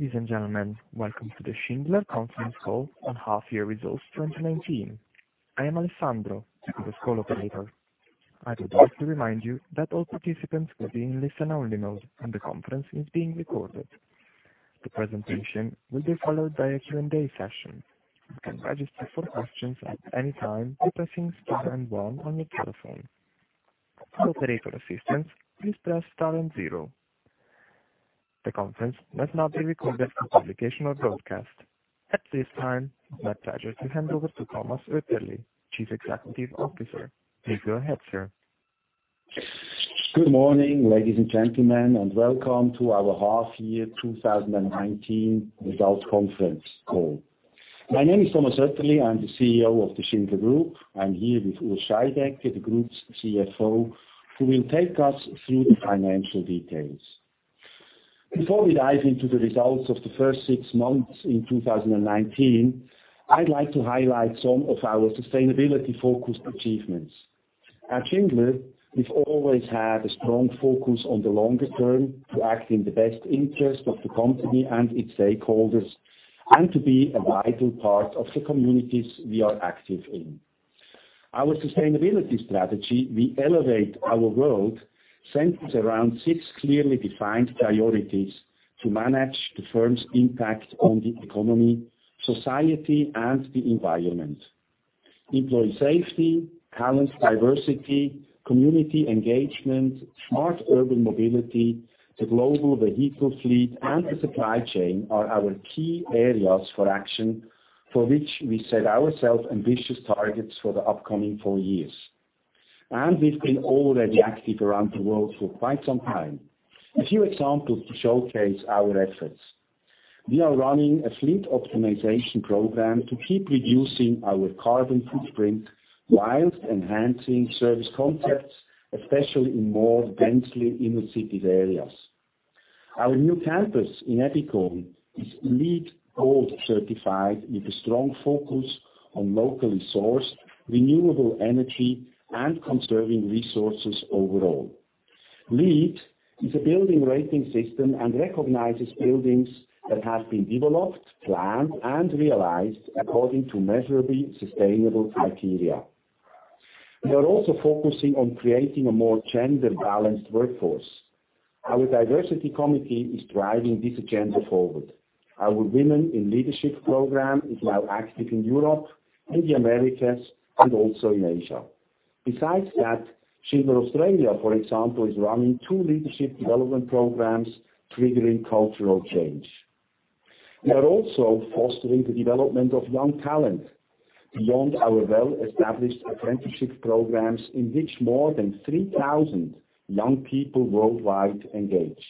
Ladies and gentlemen, welcome to the Schindler Conference Call on Half Year Results 2019. I am Alessandro, the call operator. I would like to remind you that all participants will be in listen-only mode, and the conference is being recorded. The presentation will be followed by a Q&A session. You can register for questions at any time by pressing star and one on your telephone. For operator assistance, please press star and zero. The conference must not be recorded for publication or broadcast. At this time, it's my pleasure to hand over to Thomas Oetterli, Chief Executive Officer. Please go ahead, sir. Good morning, ladies and gentlemen, welcome to our Half Year 2019 Results Conference Call. My name is Thomas Oetterli. I'm the CEO of the Schindler Group. I'm here with Urs Scheidegger, the Group's CFO, who will take us through the financial details. Before we dive into the results of the first six months in 2019, I'd like to highlight some of our sustainability-focused achievements. At Schindler, we've always had a strong focus on the longer term to act in the best interest of the company and its stakeholders and to be a vital part of the communities we are active in. Our sustainability strategy, we elevate our world, centers around six clearly defined priorities to manage the firm's impact on the economy, society, and the environment. Employee safety, talent diversity, community engagement, smart urban mobility, the global vehicle fleet, and the supply chain are our key areas for action, for which we set ourselves ambitious targets for the upcoming four years. We've been already active around the world for quite some time. A few examples to showcase our efforts. We are running a fleet optimization program to keep reducing our carbon footprint while enhancing service concepts, especially in more densely inner-city areas. Our new campus in Ebikon is LEED Gold certified with a strong focus on locally sourced renewable energy and conserving resources overall. LEED is a building rating system and recognizes buildings that have been developed, planned, and realized according to measurably sustainable criteria. We are also focusing on creating a more gender-balanced workforce. Our diversity committee is driving this agenda forward. Our Women in Leadership program is now active in Europe, in the Americas, and also in Asia. Besides that, Schindler Australia, for example, is running two leadership development programs triggering cultural change. We are also fostering the development of young talent beyond our well-established apprenticeship programs in which more than 3,000 young people worldwide engage.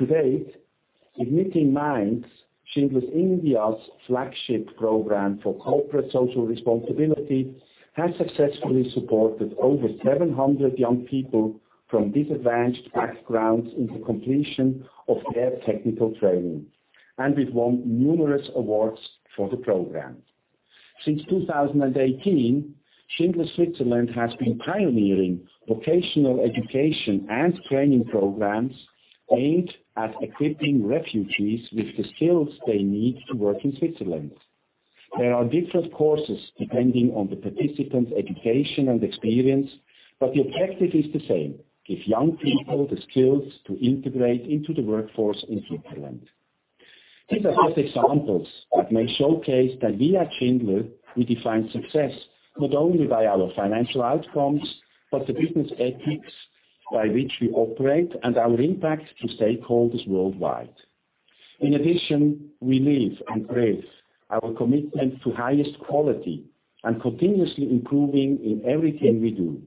To date, Schindler Igniting Minds, Schindler India's flagship program for corporate social responsibility, has successfully supported over 700 young people from disadvantaged backgrounds in the completion of their technical training, and we've won numerous awards for the program. Since 2018, Schindler Switzerland has been pioneering vocational education and training programs aimed at equipping refugees with the skills they need to work in Switzerland. There are different courses depending on the participant's education and experience, but the objective is the same: Give young people the skills to integrate into the workforce in Switzerland. These are just examples that may showcase that we at Schindler, we define success not only by our financial outcomes, but the business ethics by which we operate and our impact to stakeholders worldwide. In addition, we live and breathe our commitment to highest quality and continuously improving in everything we do.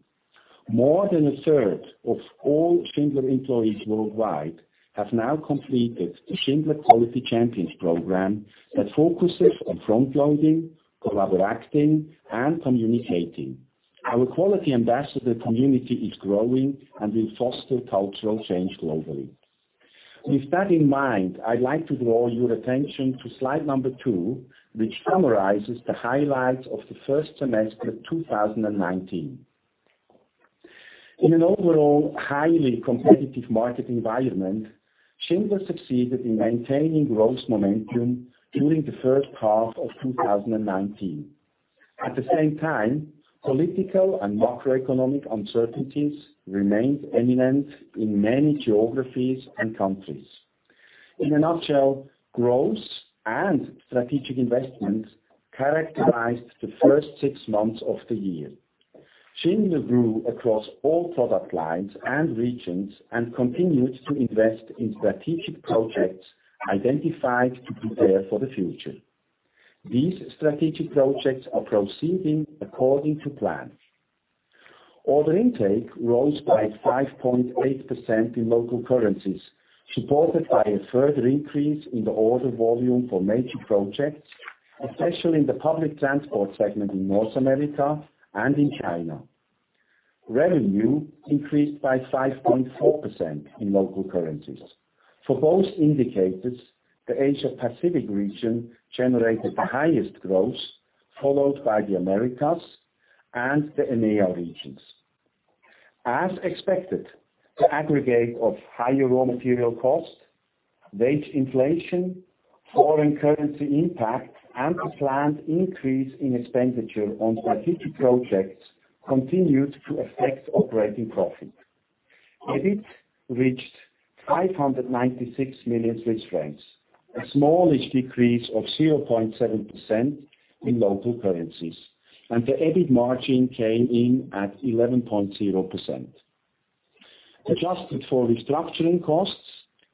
More than a third of all Schindler employees worldwide have now completed the Schindler Quality Champions program that focuses on front-loading, collaborating, and communicating. Our quality ambassador community is growing and will foster cultural change globally. With that in mind, I'd like to draw your attention to slide number two, which summarizes the highlights of the first semester of 2019. In an overall highly competitive market environment, Schindler succeeded in maintaining growth momentum during the first half of 2019. At the same time, political and macroeconomic uncertainties remained eminent in many geographies and countries. In a nutshell, growth and strategic investment characterized the first six months of the year. Schindler grew across all product lines and regions and continued to invest in strategic projects identified to prepare for the future. These strategic projects are proceeding according to plan. Order intake rose by 5.8% in local currencies, supported by a further increase in the order volume for major projects, especially in the public transport segment in North America and in China. Revenue increased by 5.4% in local currencies. For both indicators, the Asia-Pacific region generated the highest growth, followed by the Americas and the EMEA regions. As expected, the aggregate of higher raw material cost, wage inflation, foreign currency impact, and the planned increase in expenditure on strategic projects continued to affect operating profit. EBIT reached 596 million Swiss francs, a smallish decrease of 0.7% in local currencies, and the EBIT margin came in at 11.0%. Adjusted for restructuring costs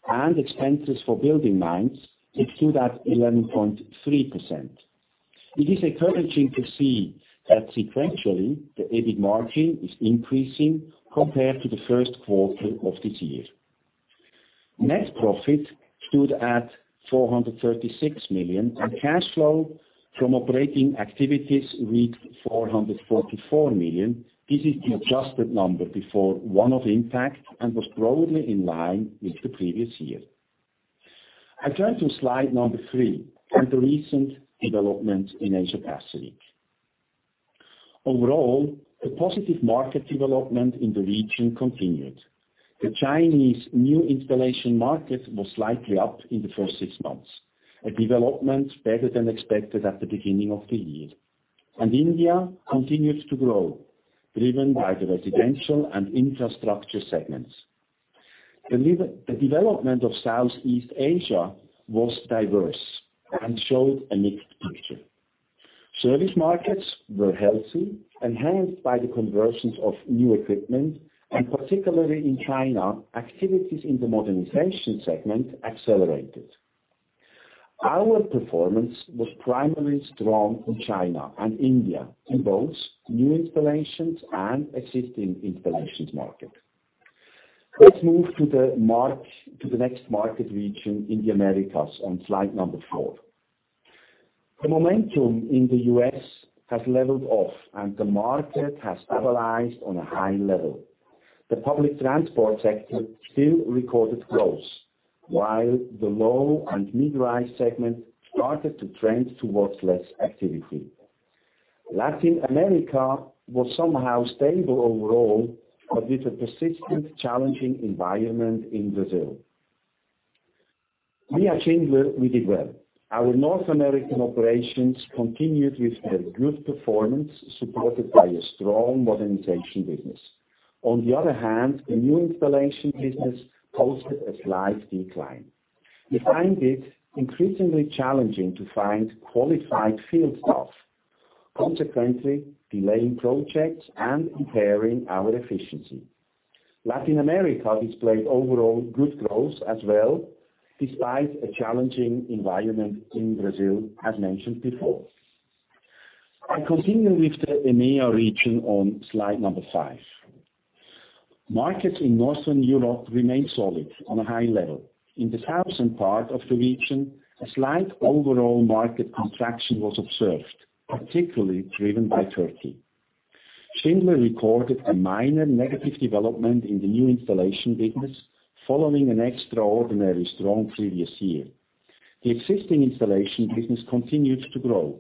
and expenses for BuildingMinds, it stood at 11.3%. It is encouraging to see that sequentially, the EBIT margin is increasing compared to the first quarter of this year. Net profit stood at 436 million, and cash flow from operating activities reached 444 million. This is the adjusted number before one-off impact and was broadly in line with the previous year. I turn to slide number three and the recent development in Asia Pacific. Overall, the positive market development in the region continued. The Chinese new installation market was slightly up in the first six months, a development better than expected at the beginning of the year. India continues to grow, driven by the residential and infrastructure segments. The development of Southeast Asia was diverse and showed a mixed picture. Service markets were healthy, enhanced by the conversions of new equipment. Particularly in China, activities in the modernization segment accelerated. Our performance was primarily strong in China and India, in both new installations and existing installations market. Let's move to the next market region, in the Americas on slide number four. The momentum in the U.S. has leveled off. The market has stabilized on a high level. The public transport sector still recorded growth, while the low and mid-rise segment started to trend towards less activity. Latin America was somehow stable overall. With a persistent challenging environment in Brazil. We at Schindler, we did well. Our North American operations continued with their good performance, supported by a strong modernization business. On the other hand, the new installation business posted a slight decline. We find it increasingly challenging to find qualified field staff, consequently delaying projects and impairing our efficiency. Latin America displayed overall good growth as well, despite a challenging environment in Brazil, as mentioned before. I continue with the EMEA region on slide number five. Markets in Western Europe remain solid on a high level. In the southern part of the region, a slight overall market contraction was observed, particularly driven by Turkey. Schindler recorded a minor negative development in the new installation business following an extraordinarily strong previous year. The existing installation business continued to grow.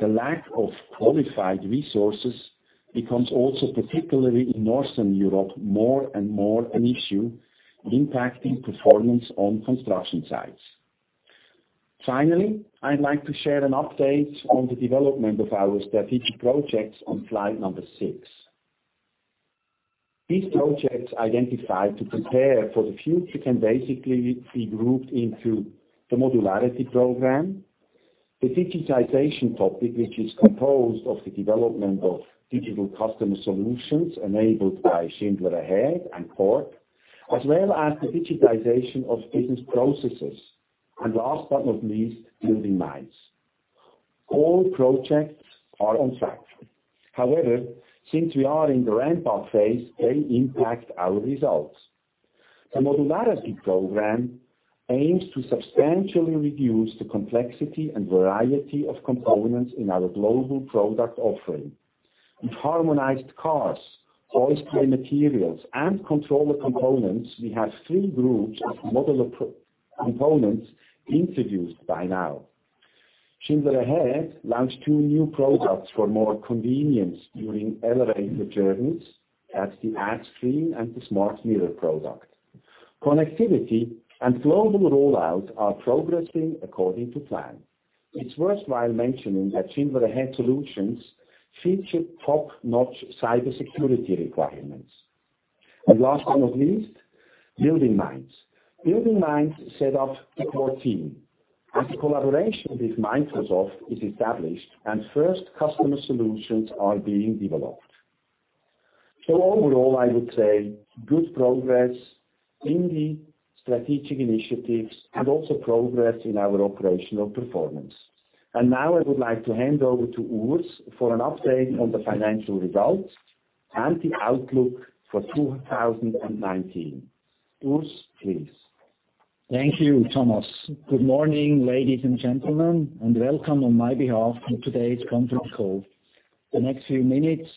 The lack of qualified resources becomes also, particularly in Northern Europe, more and more an issue impacting performance on construction sites. Finally, I'd like to share an update on the development of our strategic projects on slide number six. These projects identified to prepare for the future can basically be grouped into the modularity program, the digitization topic, which is composed of the development of digital customer solutions enabled by Schindler Ahead and CUBE, as well as the digitization of business processes, and last but not least, BuildingMinds. All projects are on track. However, since we are in the ramp-up phase, they impact our results. The modularity program aims to substantially reduce the complexity and variety of components in our global product offering. With harmonized cars, hoistway materials, and controller components, we have three groups of modular components introduced by now. Schindler Ahead launched two new products for more convenience during elevator journeys as the AdScreen and the SmartMirror product. Connectivity and global rollout are progressing according to plan. It's worthwhile mentioning that Schindler Ahead solutions feature top-notch cybersecurity requirements. Last but not least, BuildingMinds. BuildingMinds set up a core team, and the collaboration with Microsoft is established, and first customer solutions are being developed. Overall, I would say good progress in the strategic initiatives and also progress in our operational performance. Now I would like to hand over to Urs for an update on the financial results and the outlook for 2019. Urs, please. Thank you, Thomas. Good morning, ladies and gentlemen, and welcome on my behalf on today's conference call. The next few minutes,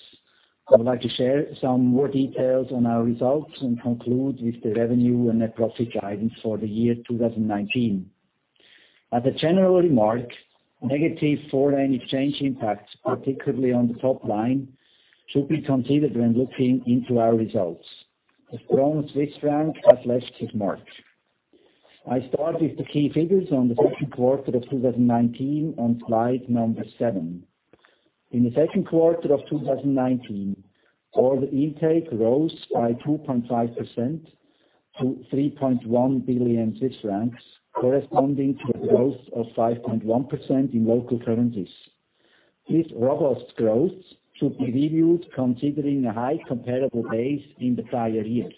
I would like to share some more details on our results and conclude with the revenue and net profit guidance for the year 2019. As a general remark, negative foreign exchange impacts, particularly on the top line, should be considered when looking into our results. The strong Swiss franc has left its mark. I start with the key figures on the second quarter of 2019 on slide number seven. In the second quarter of 2019, order intake rose by 2.5% to 3.1 billion francs, corresponding to a growth of 5.1% in local currencies. This robust growth should be reviewed considering the high comparable base in the prior year.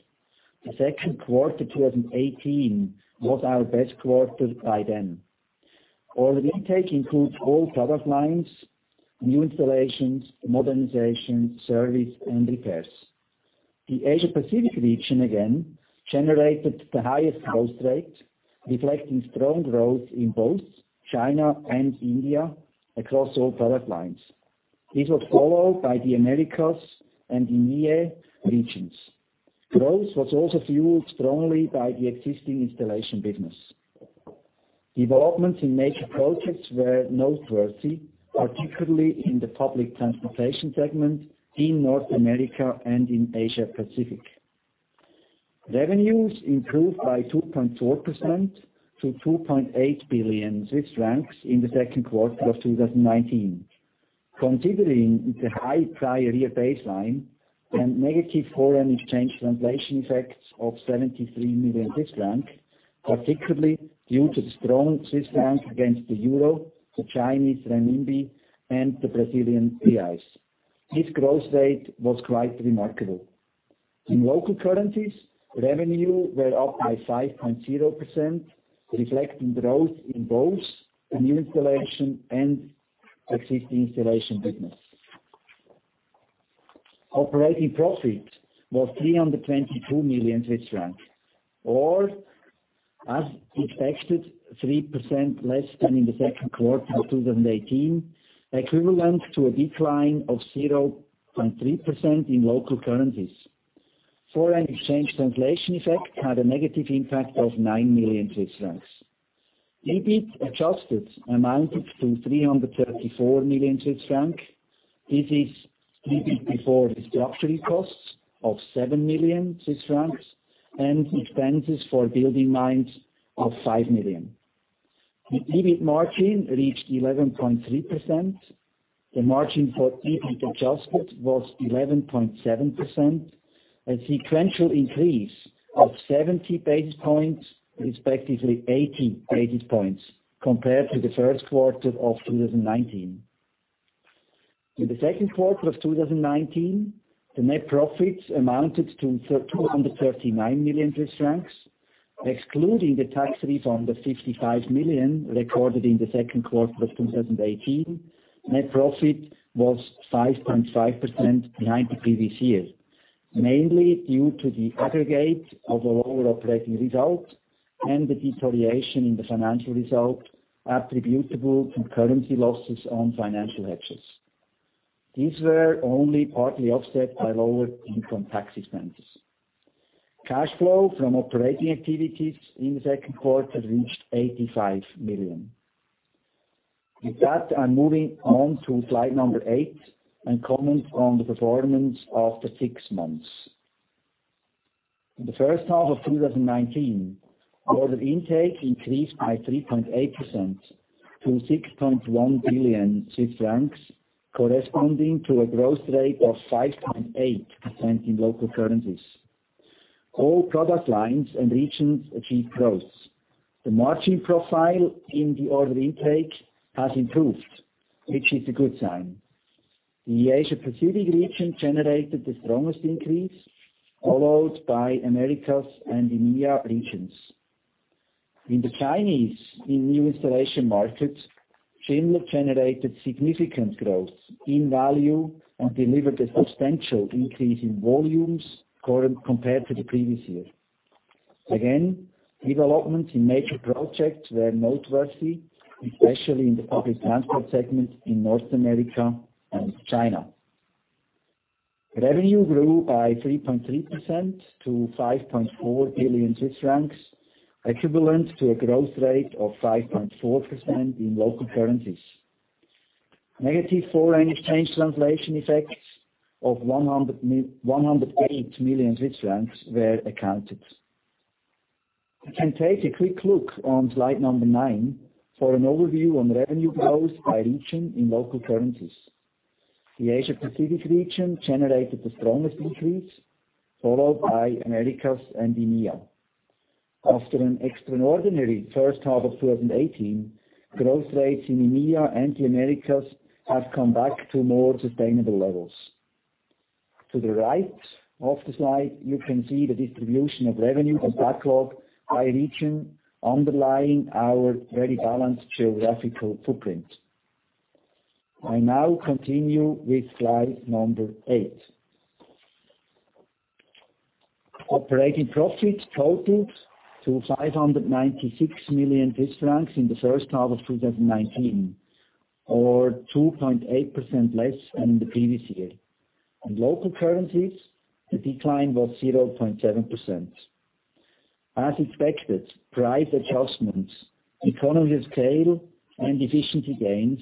The second quarter 2018 was our best quarter by then. Order intake includes all product lines, new installations, modernization, service, and repairs. The Asia-Pacific region again generated the highest growth rate, reflecting strong growth in both China and India across all product lines. This was followed by the Americas and EMEA regions. Growth was also fueled strongly by the existing installation business. Developments in major projects were noteworthy, particularly in the public transportation segment in North America and in Asia-Pacific. Revenues improved by 2.4% to 2.8 billion Swiss francs in the second quarter of 2019. Considering the high prior year baseline and negative foreign exchange translation effects of 73 million Swiss francs, particularly due to the strong Swiss franc against the EUR, the CNY, and the BRL. This growth rate was quite remarkable. In local currencies, revenue were up by 5.0%, reflecting growth in both the new installation and existing installation business. Operating profit was 322 million Swiss francs, or as expected, 3% less than in the second quarter of 2018, equivalent to a decline of 0.3% in local currencies. Foreign exchange translation effect had a negative impact of 9 million Swiss francs. EBIT adjusted amounted to 334 million Swiss francs. This is EBIT before restructuring costs of 7 million Swiss francs and expenses for BuildingMinds of 5 million. The EBIT margin reached 11.3%. The margin for EBIT adjusted was 11.7%, a sequential increase of 70 basis points, respectively 80 basis points compared to the first quarter of 2019. In the second quarter of 2019, the net profits amounted to 239 million Swiss francs. Excluding the tax refund of 55 million recorded in the second quarter of 2018, net profit was 5.5% behind the previous year, mainly due to the aggregate of a lower operating result and the deterioration in the financial result attributable to currency losses on financial hedges. These were only partly offset by lower income tax expenses. Cash flow from operating activities in the second quarter reached 85 million. With that, I'm moving on to slide number 8 and comment on the performance of the six months. In the first half of 2019, order intake increased by 3.8% to 6.1 billion Swiss francs, corresponding to a growth rate of 5.8% in local currencies. All product lines and regions achieved growth. The margin profile in the order intake has improved, which is a good sign. The Asia-Pacific region generated the strongest increase, followed by Americas and EMEA regions. In the Chinese in new installation markets, China generated significant growth in value and delivered a substantial increase in volumes compared to the previous year. Again, developments in major projects were noteworthy, especially in the public transport segment in North America and China. Revenue grew by 3.3% to 5.4 billion Swiss francs, equivalent to a growth rate of 5.4% in local currencies. Negative foreign exchange translation effects of 108 million Swiss francs were accounted. We can take a quick look on slide number nine for an overview on revenue growth by region in local currencies. The Asia-Pacific region generated the strongest increase, followed by Americas and EMEA. After an extraordinary first half of 2018, growth rates in EMEA and the Americas have come back to more sustainable levels. To the right of the slide, you can see the distribution of revenue and backlog by region underlying our very balanced geographical footprint. I now continue with slide number eight. Operating profit totaled 596 million francs in the first half of 2019. 2.8% less than the previous year. In local currencies, the decline was 0.7%. As expected, price adjustments, economy of scale, and efficiency gains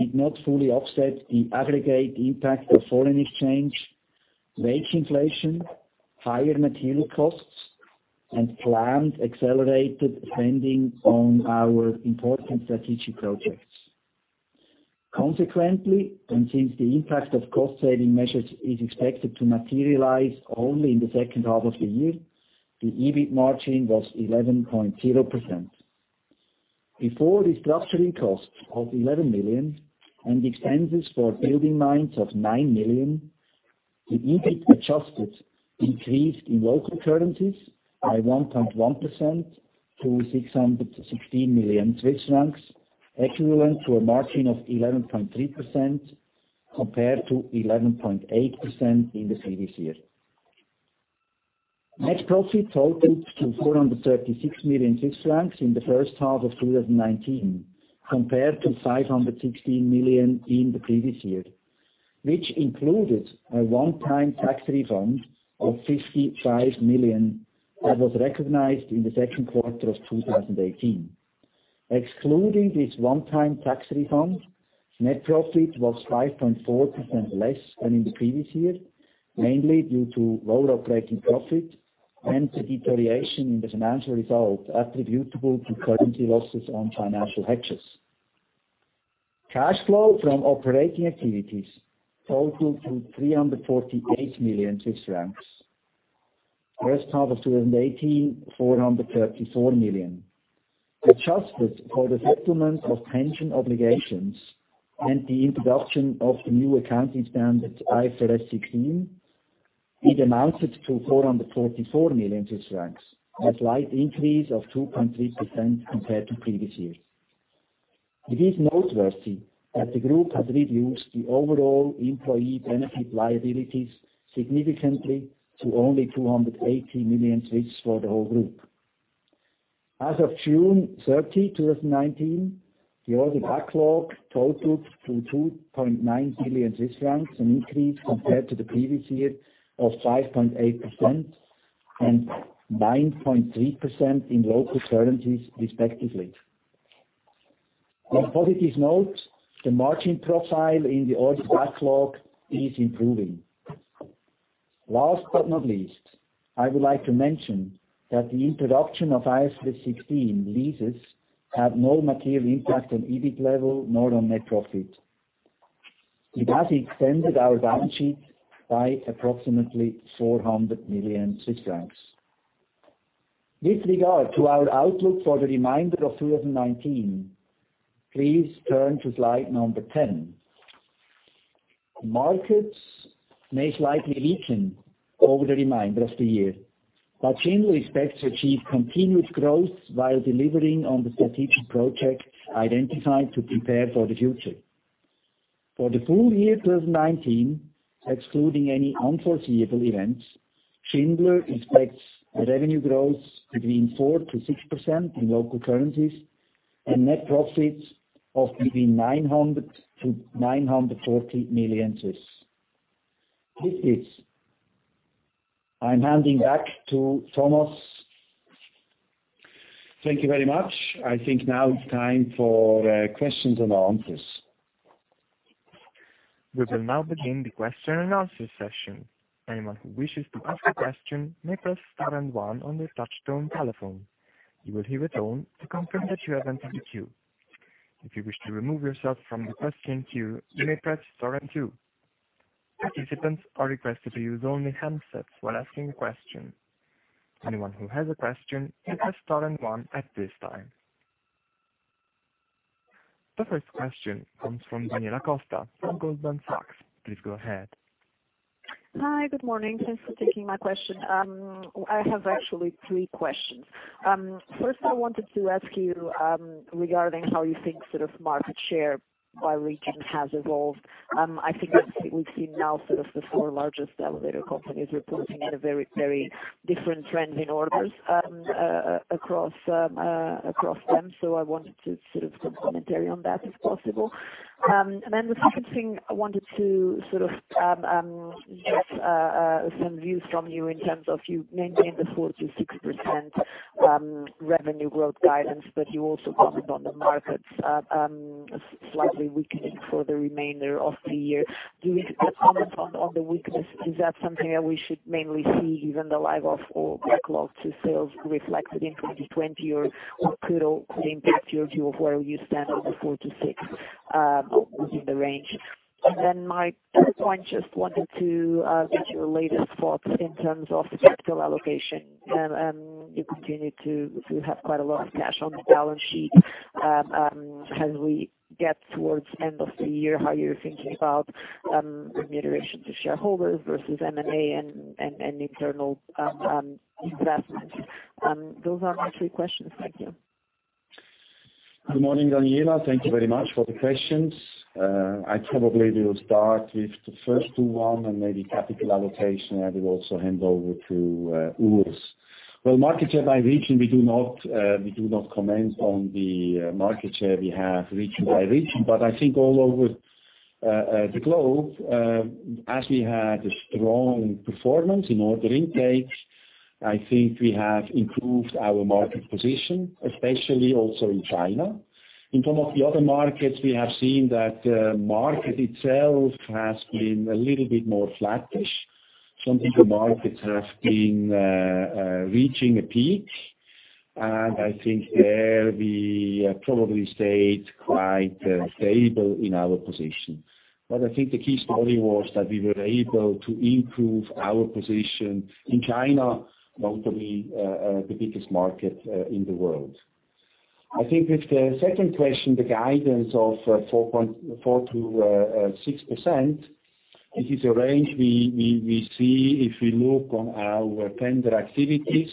did not fully offset the aggregate impact of foreign exchange, wage inflation, higher material costs, and planned accelerated spending on our important strategic projects. Consequently, and since the impact of cost-saving measures is expected to materialize only in the second half of the year, the EBIT margin was 11.0%. Before restructuring costs of 11 million and expenses for BuildingMinds of 9 million, the EBIT adjusted increased in local currencies by 1.1% to 616 million Swiss francs, equivalent to a margin of 11.3% compared to 11.8% in the previous year. Net profit totaled to 436 million Swiss francs in the first half of 2019, compared to 516 million in the previous year, which included a one-time tax refund of 55 million that was recognized in the second quarter of 2018. Excluding this one-time tax refund, net profit was 5.4% less than in the previous year, mainly due to lower operating profit and the deterioration in the financial result attributable to currency losses on financial hedges. Cash flow from operating activities totaled to 348 million Swiss francs. First half of 2018, 434 million. Adjusted for the settlement of pension obligations and the introduction of the new accounting standard, IFRS 16, it amounted to 444 million francs, a slight increase of 2.3% compared to previous year. It is noteworthy that the group has reduced the overall employee benefit liabilities significantly to only 280 million for the whole group. As of June 30, 2019, the order backlog totaled to 2.9 billion Swiss francs, an increase compared to the previous year of 5.8% and 9.3% in local currencies respectively. On a positive note, the margin profile in the order backlog is improving. Last but not least, I would like to mention that the introduction of IFRS 16 leases had no material impact on EBIT level, nor on net profit. It has extended our balance sheet by approximately 400 million Swiss francs. With regard to our outlook for the remainder of 2019, please turn to slide number 10. Markets may slightly weaken over the remainder of the year, but Schindler expects to achieve continuous growth while delivering on the strategic projects identified to prepare for the future. For the full year 2019, excluding any unforeseeable events, Schindler expects a revenue growth between 4%-6% in local currencies and net profits of between 900 million-940 million. I'm handing back to Thomas. Thank you very much. I think now it's time for questions and answers. We will now begin the question and answer session. Anyone who wishes to ask a question may press star and one on their touchtone telephone. You will hear a tone to confirm that you have entered the queue. If you wish to remove yourself from the question queue, you may press star and two. Participants are requested to use only handsets when asking a question. Anyone who has a question may press star and one at this time. The first question comes from Daniela Costa from Goldman Sachs. Please go ahead. Hi. Good morning. Thanks for taking my question. I have actually three questions. First I wanted to ask you regarding how you think market share by region has evolved. I think we see now the four largest elevator companies reporting at a very different trend in orders across them. I wanted some commentary on that, if possible. The second thing I wanted to get some views from you in terms of you maintain the 4%-6% revenue growth guidance, but you also commented on the markets slightly weakening for the remainder of the year. Do you comment on the weakness? Is that something that we should mainly see given the lag of all backlog to sales reflected in 2020 or could impact your view of where you stand on the 4%-6% within the range? My third point, just wanted to get your latest thoughts in terms of capital allocation. You continue to have quite a lot of cash on the balance sheet. As we get towards end of the year, how you're thinking about remuneration to shareholders versus M&A and internal investments. Those are my three questions. Thank you. Good morning, Daniela. Thank you very much for the questions. I probably will start with the first two and maybe capital allocation, I will also hand over to Urs. Well, market share by region, we do not comment on the market share we have region by region. But I think all over The globe, as we had a strong performance in order intakes, I think we have improved our market position, especially also in China. In some of the other markets, we have seen that the market itself has been a little bit more flattish. Some of the markets have been reaching a peak, and I think there we probably stayed quite stable in our position. I think the key story was that we were able to improve our position in China, notably the biggest market in the world. I think with the second question, the guidance of 4%-6%, it is a range we see if we look on our tender activities,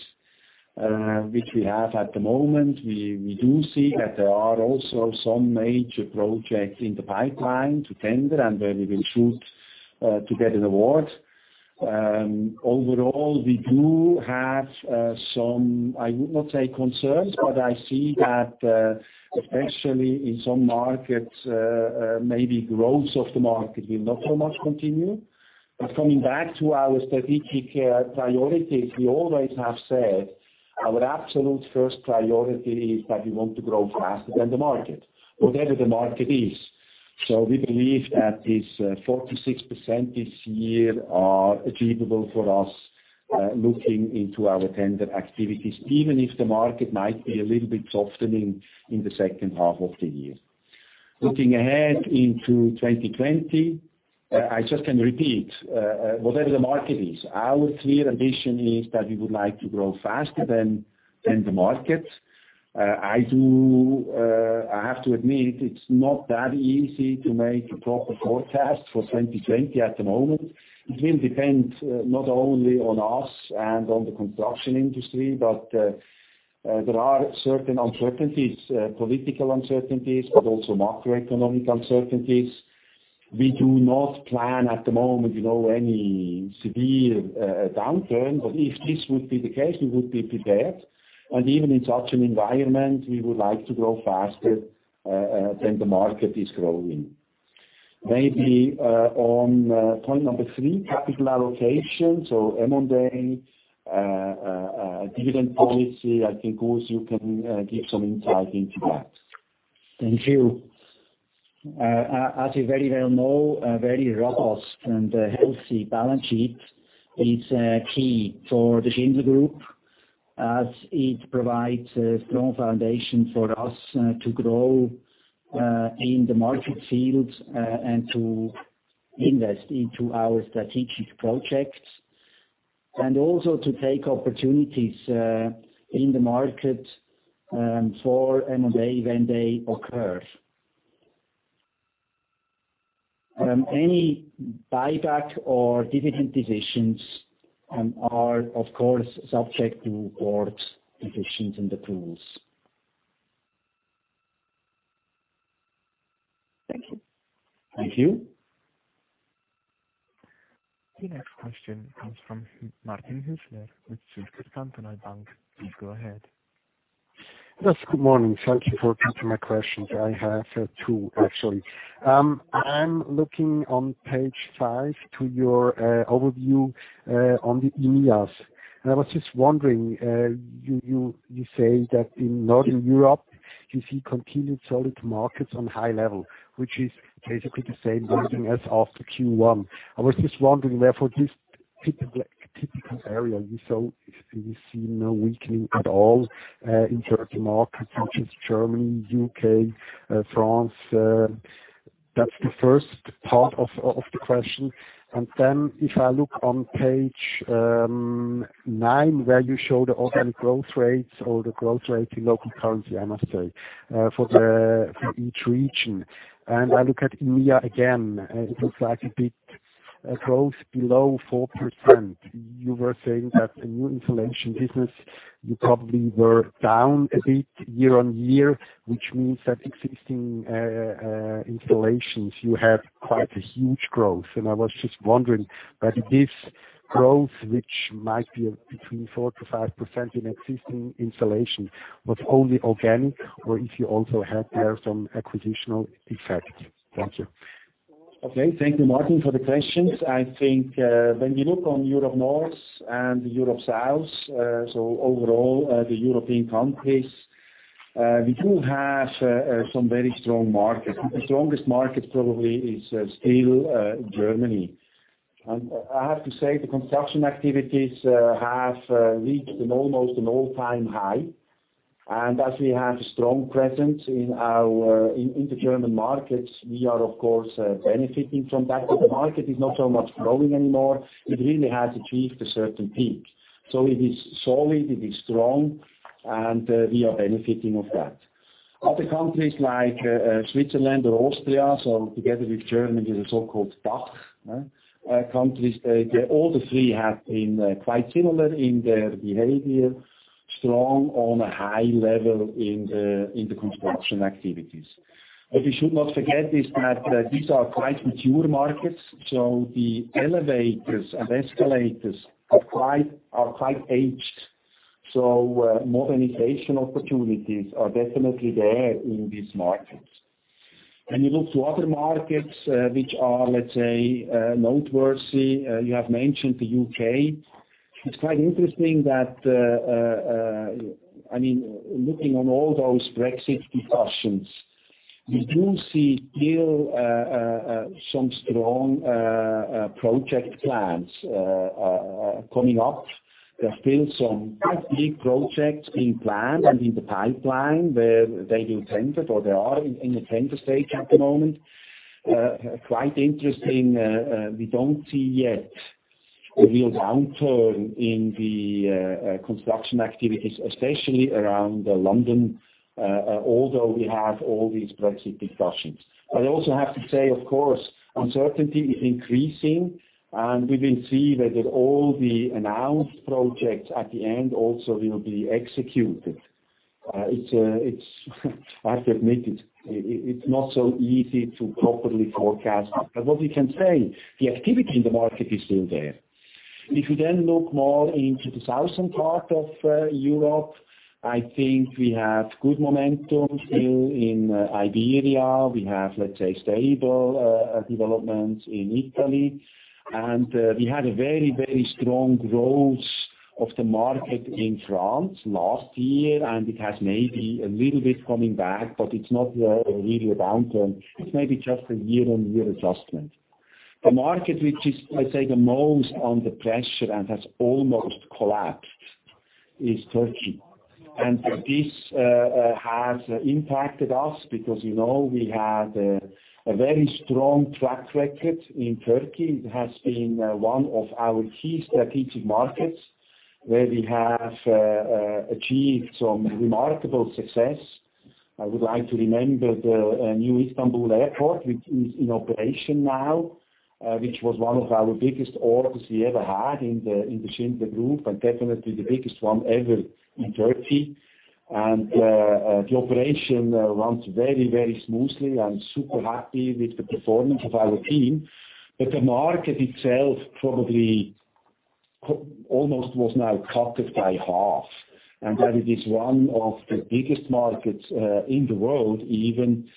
which we have at the moment. We do see that there are also some major projects in the pipeline to tender and where we will shoot to get an award. Overall, we do have some, I would not say concerns, but I see that especially in some markets, maybe growth of the market will not so much continue. Coming back to our strategic priorities, we always have said our absolute first priority is that we want to grow faster than the market, whatever the market is. We believe that this 4%-6% this year are achievable for us, looking into our tender activities, even if the market might be a little bit softening in the second half of the year. Looking ahead into 2020, I just can repeat, whatever the market is, our clear ambition is that we would like to grow faster than the market. I have to admit, it's not that easy to make a proper forecast for 2020 at the moment. It will depend not only on us and on the construction industry, but there are certain uncertainties, political uncertainties, but also macroeconomic uncertainties. We do not plan at the moment any severe downturn, but if this would be the case, we would be prepared. Even in such an environment, we would like to grow faster than the market is growing. Maybe on point number three, capital allocation, so M&A, dividend policy, I think, Urs, you can give some insight into that. Thank you. As you very well know, a very robust and healthy balance sheet is key for the Schindler Group as it provides a strong foundation for us to grow in the market fields and to invest into our strategic projects. Also to take opportunities in the market for M&A when they occur. Any buyback or dividend decisions are, of course, subject to board decisions and approvals. Thank you. Thank you. The next question comes from Martin Hüsler with Zürcher Kantonalbank. Please go ahead. Yes, good morning. Thank you for taking my questions. I have two, actually. I'm looking on page five to your overview on the EMEAs. I was just wondering, you say that in Northern Europe, you see continued solid markets on high level, which is basically the same wording as after Q1. I was just wondering, therefore, this typical area, you see no weakening at all in certain markets, such as Germany, U.K., France. That's the first part of the question. If I look on page nine, where you show the organic growth rates or the growth rate in local currency, I must say, for each region. I look at EMEA again, and it looks like a big growth below 4%. You were saying that the new installation business, you probably were down a bit year-over-year, which means that existing installations, you have quite a huge growth. I was just wondering that this growth, which might be between 4% to 5% in existing installation, was only organic, or if you also had there some acquisitional effect. Thank you. Okay. Thank you, Martin, for the questions. I think when we look on Europe North and Europe South, so overall, the European countries, we do have some very strong markets. The strongest market probably is still Germany. I have to say, the construction activities have reached an almost an all-time high. As we have a strong presence in the German markets, we are, of course, benefiting from that. The market is not so much growing anymore. It really has achieved a certain peak. It is solid, it is strong, and we are benefiting of that. Other countries like Switzerland or Austria, so together with Germany, the so-called DACH countries, all the three have been quite similar in their behavior, strong on a high level in the construction activities. What we should not forget is that these are quite mature markets, the elevators and escalators are quite aged. Modernization opportunities are definitely there in these markets. When you look to other markets which are noteworthy, you have mentioned the U.K. It's quite interesting that, looking on all those Brexit discussions, we do see still some strong project plans coming up. There are still some quite big projects being planned and in the pipeline where they will tender, or they are in the tender stage at the moment. Quite interesting, we don't see yet a real downturn in the construction activities, especially around London, although we have all these Brexit discussions. I also have to say, of course, uncertainty is increasing, and we will see whether all the announced projects at the end also will be executed. I have to admit it's not so easy to properly forecast. What we can say, the activity in the market is still there. We then look more into the southern part of Europe, I think we have good momentum still in Iberia. We have stable developments in Italy. We had a very strong growth of the market in France last year, and it has maybe a little bit coming back, but it's not really a downturn. It's maybe just a year-on-year adjustment. The market which is, I say the most under pressure and has almost collapsed is Turkey. This has impacted us because we had a very strong track record in Turkey. It has been one of our key strategic markets where we have achieved some remarkable success. I would like to remember the new Istanbul Airport, which is in operation now, which was one of our biggest orders we ever had in the Schindler Group, and definitely the biggest one ever in Turkey. The operation runs very smoothly. I'm super happy with the performance of our team. The market itself probably almost was now cut by half, and that it is one of the biggest markets in the world. Even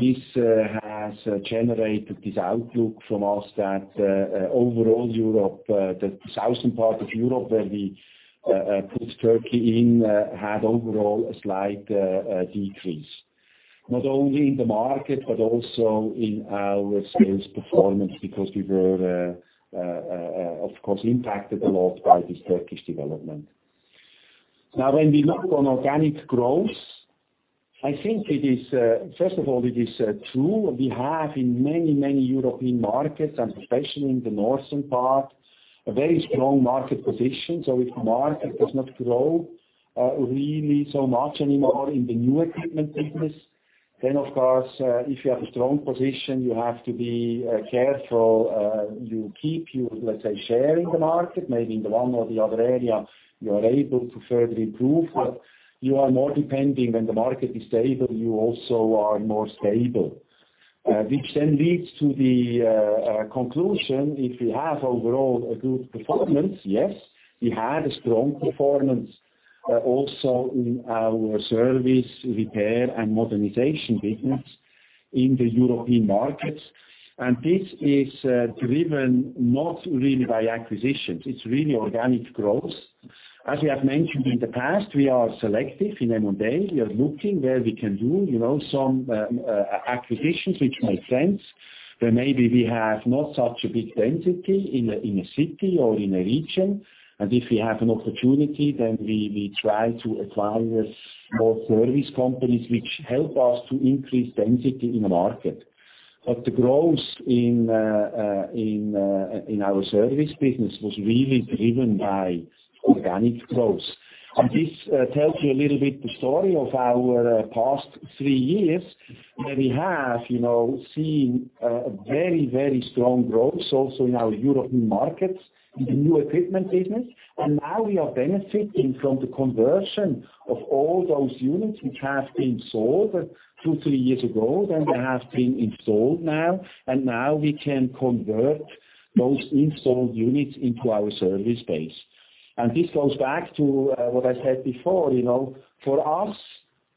this has generated this outlook from us that overall Europe, the southern part of Europe where we put Turkey in, had overall a slight decrease, not only in the market, but also in our sales performance, because we were, of course, impacted a lot by this Turkish development. When we look on organic growth, I think, first of all, it is true, we have in many European markets, and especially in the northern part, a very strong market position. If the market does not grow really so much anymore in the new equipment business, then of course, if you have a strong position, you have to be careful. You keep your share in the market. Maybe in the one or the other area, you are able to further improve, but you are more depending when the market is stable, you also are more stable. Which then leads to the conclusion, if we have overall a good performance, yes, we had a strong performance also in our service repair and modernization business in the European markets. This is driven not really by acquisitions. It's really organic growth. As we have mentioned in the past, we are selective in M&A. We are looking where we can do some acquisitions which make sense, where maybe we have not such a big density in a city or in a region. If we have an opportunity, then we try to acquire more service companies which help us to increase density in the market. The growth in our service business was really driven by organic growth. This tells you a little bit the story of our past three years, where we have seen a very strong growth also in our European markets in the new equipment business. Now we are benefiting from the conversion of all those units which have been sold two, three years ago, then they have been installed now. Now we can convert those installed units into our service base. This goes back to what I said before. For us,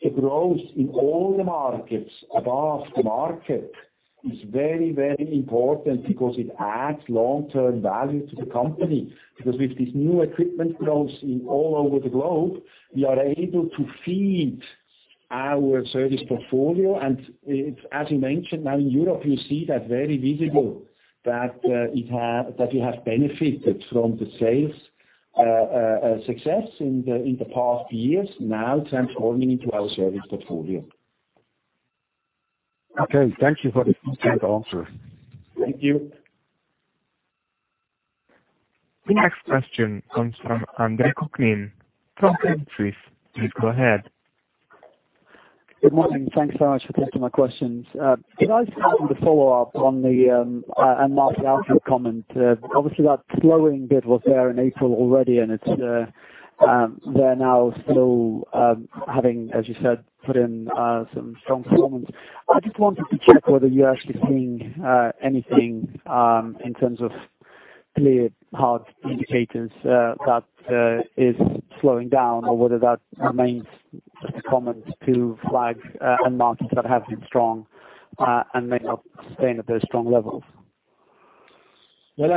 a growth in all the markets above the market is very important because it adds long-term value to the company. With this new equipment growth all over the globe, we are able to feed our service portfolio. As you mentioned, now in Europe, you see that very visible, that we have benefited from the sales success in the past years, now transforming into our service portfolio. Okay. Thank you for the complete answer. Thank you. The next question comes from Andre Kuklin from Credit Suisse. Please go ahead. Good morning. Thanks so much for taking my questions. Could I start with a follow-up on the market outlook comment? That slowing bit was there in April already, and it's there now still, having, as you said, put in some strong performance. I just wanted to check whether you're actually seeing anything in terms of clear, hard indicators that is slowing down or whether that remains common to flag on markets that have been strong and may not sustain at those strong levels. Well,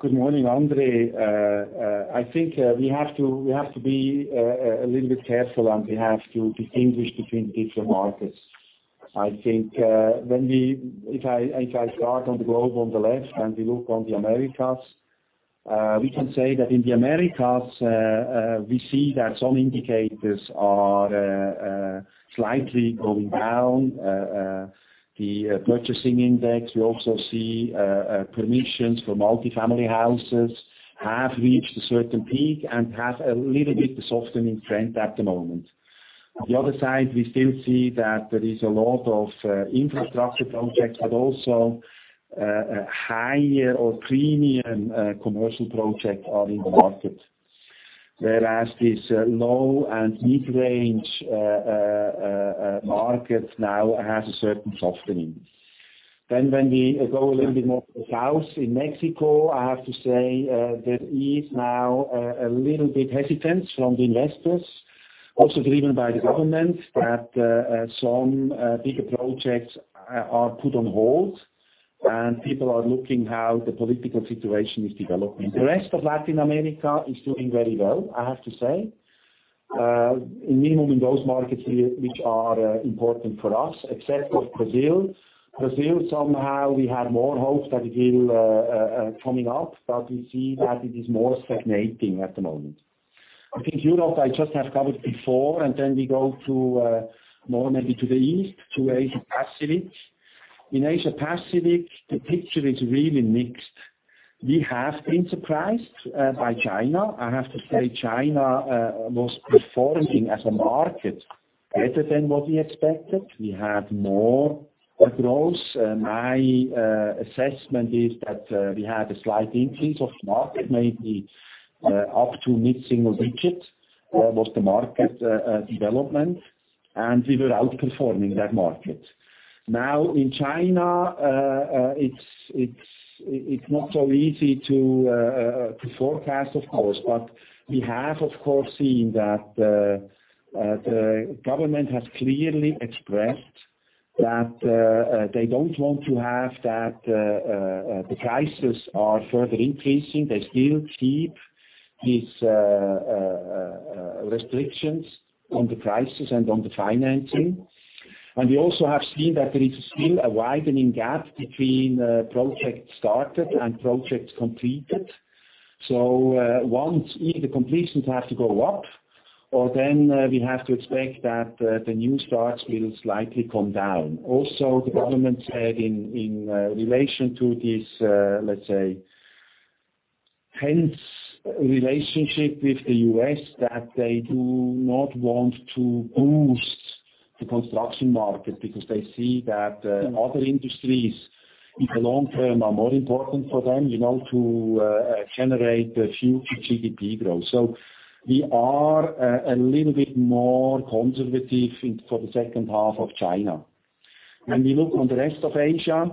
good morning, Andre. I think we have to be a little bit careful, and we have to distinguish between different markets. I think if I start on the globe on the left, and we look on the Americas, we can say that in the Americas, we see that some indicators are slightly going down. The purchasing index, we also see permissions for multi-family houses have reached a certain peak and have a little bit of softening trend at the moment. On the other side, we still see that there is a lot of infrastructure projects, but also higher or premium commercial projects are in the market. Whereas this low and mid-range market now has a certain softening. When we go a little bit more south in Mexico, I have to say, there is now a little bit hesitance from the investors, also driven by the government, that some bigger projects are put on hold, and people are looking how the political situation is developing. The rest of Latin America is doing very well, I have to say. Minimum in those markets which are important for us, except for Brazil. Brazil, somehow we had more hope that it will coming up, but we see that it is more stagnating at the moment. I think Europe, I just have covered before, and then we go to more maybe to the east, to Asia Pacific. In Asia Pacific, the picture is really mixed. We have been surprised by China. I have to say China was performing as a market better than what we expected. We had more growth. My assessment is that we had a slight increase of market, maybe up to mid-single digits was the market development. We were outperforming that market. In China, it's not so easy to forecast, of course. We have, of course, seen that the government has clearly expressed that they don't want to have that the prices are further increasing. They still keep these restrictions on the prices and on the financing. We also have seen that there is still a widening gap between projects started and projects completed. Once either completions have to go up, or we have to expect that the new starts will slightly come down. The government said in relation to this, let's say, tense relationship with the U.S., that they do not want to boost the construction market because they see that other industries in the long term are more important for them to generate future GDP growth. We are a little bit more conservative for the second half of China. When we look on the rest of Asia,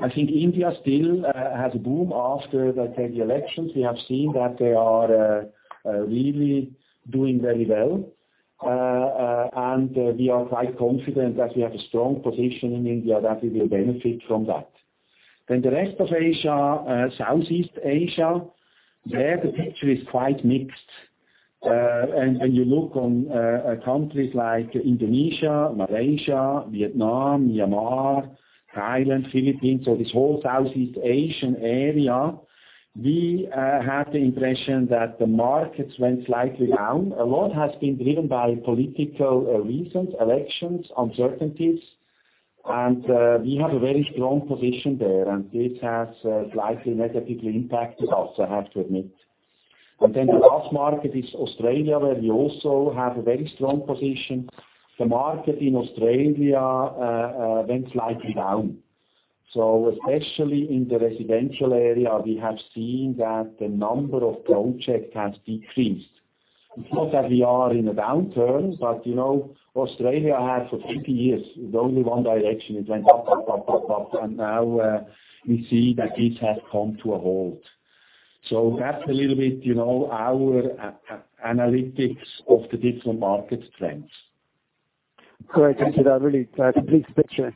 I think India still has a boom after the elections. We have seen that they are really doing very well. We are quite confident that we have a strong position in India, that we will benefit from that. The rest of Asia, Southeast Asia, there the picture is quite mixed. When you look on countries like Indonesia, Malaysia, Vietnam, Myanmar, Thailand, Philippines, this whole Southeast Asian area, we have the impression that the markets went slightly down. A lot has been driven by political reasons, elections, uncertainties, and we have a very strong position there, and this has slightly negatively impacted us, I have to admit. The last market is Australia, where we also have a very strong position. The market in Australia went slightly down. Especially in the residential area, we have seen that the number of projects has decreased. It's not that we are in a downturn, but Australia had for 20 years, only one direction. It went up, up, up. Now we see that this has come to a halt. That's a little bit our analytics of the different market trends. Great. Thank you. That really completes the picture.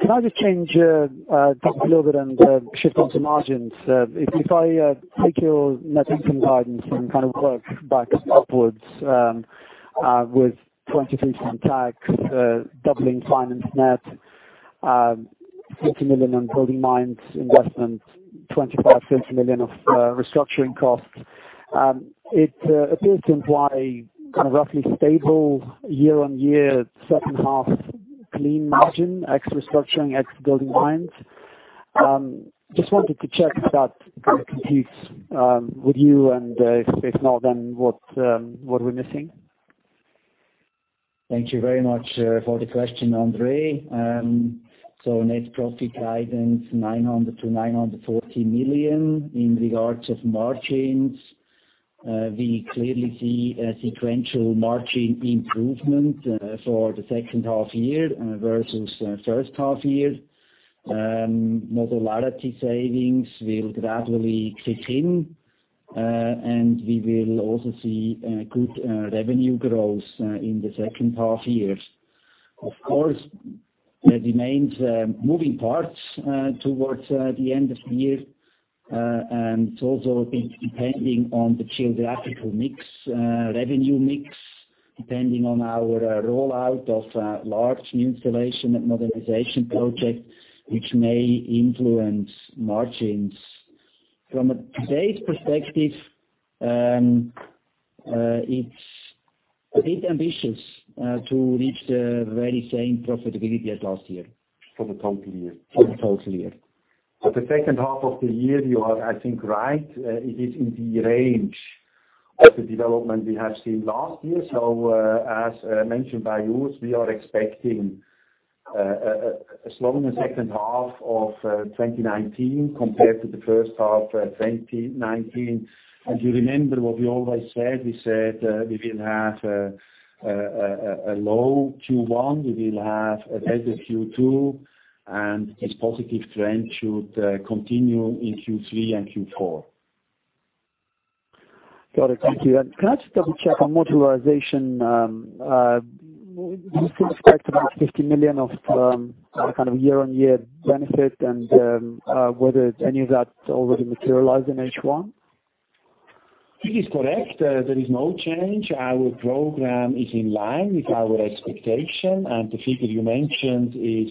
Can I just change just a little bit and shift on to margins? If I take your net income guidance and work backwards with 23% tax, doubling finance net, 50 million on BuildingMinds investment, 25 million-30 million of restructuring costs, it appears to imply roughly stable year-on-year, second half clean margin, ex restructuring, ex BuildingMinds. Just wanted to check if that competes with you and if not, then what are we missing? Thank you very much for the question, Andre. Net profit guidance, 900 million-940 million. In regards of margins. We clearly see a sequential margin improvement for the second half year versus first half year. Modularity savings will gradually kick in, and we will also see good revenue growth in the second half year. Of course, there remains moving parts towards the end of the year, and it's also a bit depending on the geographical mix, revenue mix, depending on our rollout of large new installation and modernization projects, which may influence margins. From today's perspective, it's a bit ambitious to reach the very same profitability as last year. For the total year? For the total year. For the second half of the year, you are, I think right. It is in the range of the development we have seen last year. As mentioned by Urs, we are expecting a stronger second half of 2019 compared to the first half 2019. You remember what we always said, we said we will have a low Q1, we will have a better Q2, and this positive trend should continue in Q3 and Q4. Got it. Thank you. Can I just double-check on modularization, you still expect about 50 million of some kind of year-on-year benefit, and whether any of that already materialized in H1? It is correct. There is no change. Our program is in line with our expectation, and the figure you mentioned is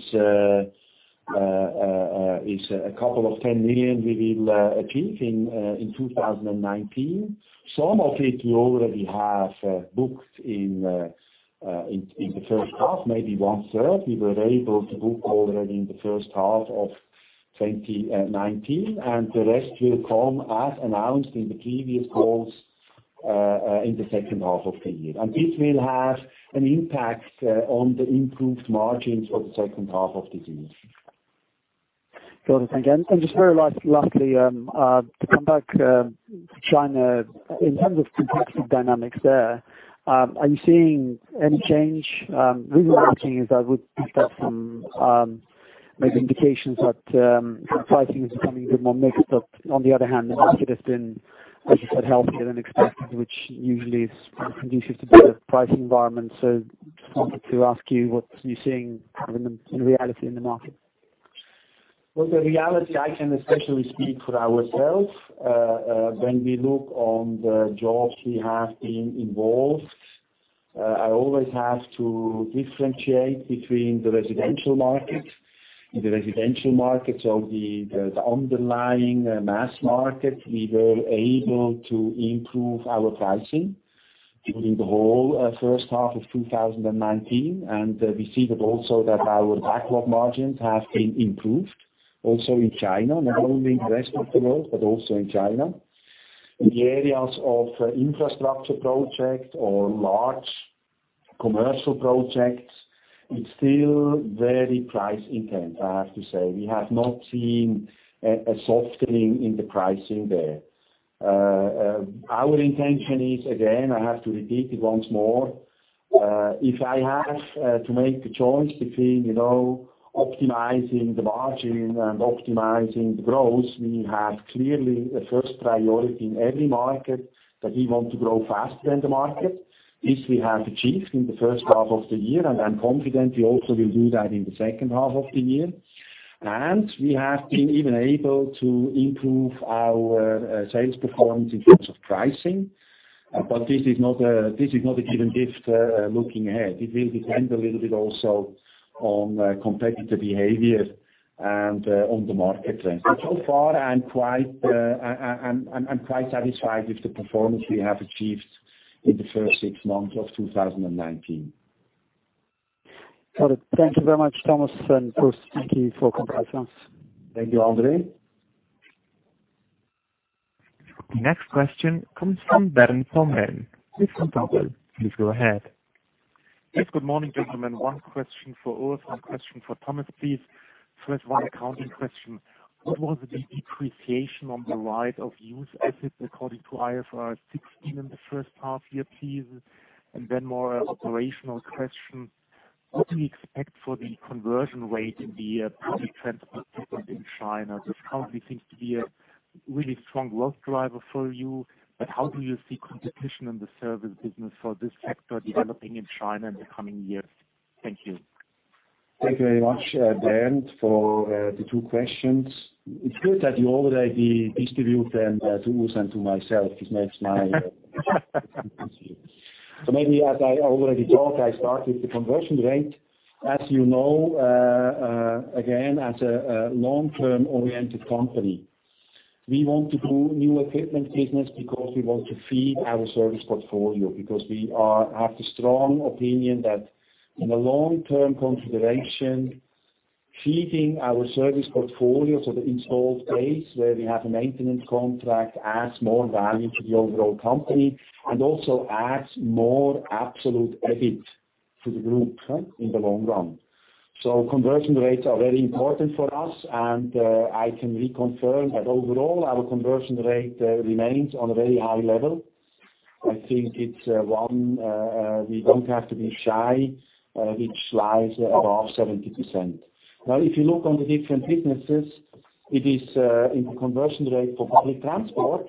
a couple of 10 million we will achieve in 2019. Some of it we already have booked in the first half, maybe one-third, we were able to book already in the first half of 2019. The rest will come as announced in the previous calls, in the second half of the year. This will have an impact on the improved margins of the second half of this year. Got it. Thank you. Just very lastly, to come back to China, in terms of competitive dynamics there, are you seeing any change? The reason I am asking is I would pick up some maybe indications that pricing is becoming a bit more mixed, but on the other hand, the market has been, as you said, healthier than expected, which usually is conducive to better pricing environments. I wanted to ask you what you are seeing in reality in the market. Well, the reality, I can especially speak for ourselves. When we look on the jobs we have been involved, I always have to differentiate between the residential markets. In the residential markets or the underlying mass market, we were able to improve our pricing during the whole first half of 2019. We see that also that our backlog margins have been improved also in China, not only in the rest of the world, but also in China. In the areas of infrastructure project or large commercial projects, it's still very price intense, I have to say. We have not seen a softening in the pricing there. Our intention is, again, I have to repeat it once more. If I have to make a choice between optimizing the margin and optimizing the growth, we have clearly a first priority in every market that we want to grow faster than the market. This we have achieved in the first half of the year, and I'm confident we also will do that in the second half of the year. We have been even able to improve our sales performance in terms of pricing. This is not a given gift looking ahead. It will depend a little bit also on competitive behavior and on the market trend. So far, I'm quite satisfied with the performance we have achieved in the first six months of 2019. Got it. Thank you very much, Thomas and Urs. Thank you for comparisons. Thank you, Andre. The next question comes from Bernd from RTT. Please go ahead. Yes, good morning, gentlemen. One question for Urs, one question for Thomas, please. One accounting question. What was the depreciation on the right of use assets according to IFRS 16 in the first half year, please? More operational question, what do you expect for the conversion rate in the public transport segment in China? This currently seems to be a really strong growth driver for you. How do you see competition in the service business for this sector developing in China in the coming years? Thank you. Thank you very much, Bernd, for the two questions. It's good that you already distribute them to Urs and to myself. It makes my job easier. Maybe as I already thought, I start with the conversion rate. As you know, again, as a long-term oriented company, we want to do new equipment business because we want to feed our service portfolio, because we have the strong opinion that in a long-term consideration, feeding our service portfolio, so the installed base where we have a maintenance contract, adds more value to the overall company, and also adds more absolute EBIT to the group in the long run. Conversion rates are very important for us, and I can reconfirm that overall, our conversion rate remains on a very high level. I think it's one we don't have to be shy, which lies above 70%. If you look on the different businesses, it is in the conversion rate for public transport.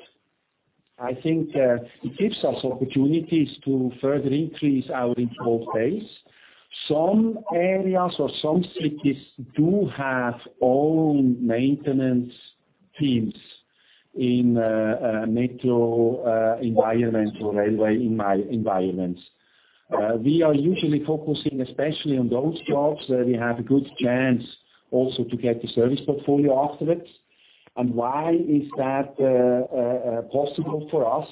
I think it gives us opportunities to further increase our install base. Some areas or some cities do have own maintenance teams in metro environmental railway environments. We are usually focusing especially on those jobs, where we have a good chance also to get the service portfolio after it. Why is that possible for us?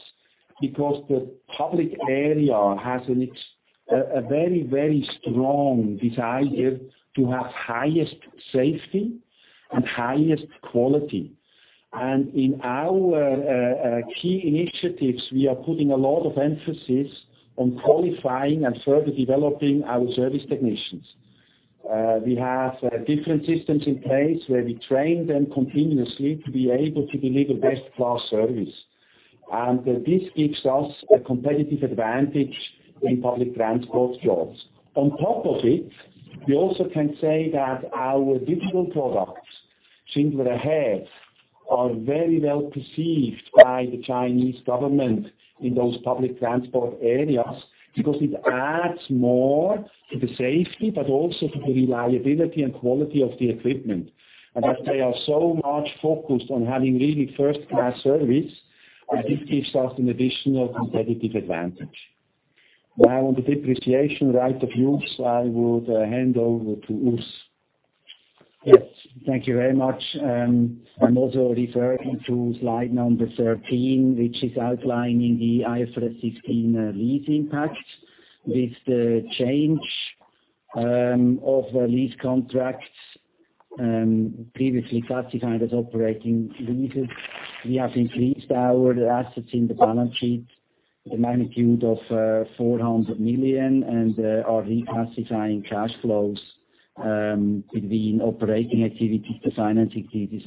Because the public area has a very strong desire to have highest safety and highest quality. In our key initiatives, we are putting a lot of emphasis on qualifying and further developing our service technicians. We have different systems in place where we train them continuously to be able to deliver best-class service. This gives us a competitive advantage in public transport jobs. On top of it, we also can say that our digital products, Schindler Ahead, are very well-perceived by the Chinese government in those public transport areas because it adds more to the safety, but also to the reliability and quality of the equipment. As they are so much focused on having really first-class service, this gives us an additional competitive advantage. Now, on the depreciation rate of Urs, I would hand over to Urs. Yes. Thank you very much. I'm also referring to slide number 13, which is outlining the IFRS 16 lease impact. With the change of lease contracts previously classified as operating leases, we have increased our assets in the balance sheet to a magnitude of 400 million and are reclassifying cash flows between operating activities to financing activities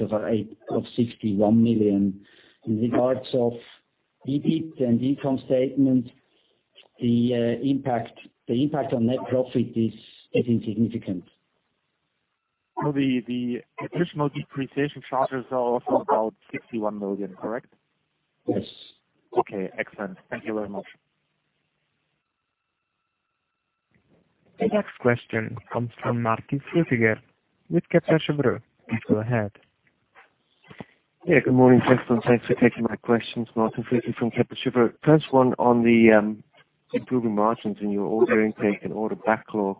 of 61 million. In regards of EBIT and income statement, the impact on net profit is insignificant. The additional depreciation charges are also about 61 million, correct? Yes. Okay, excellent. Thank you very much. The next question comes from Martin Flueckiger with Credit Suisse. Please go ahead. Good morning, gentlemen. Thanks for taking my questions. Martin Flueckiger from Credit Suisse. First one on the improving margins in your order intake and order backlog.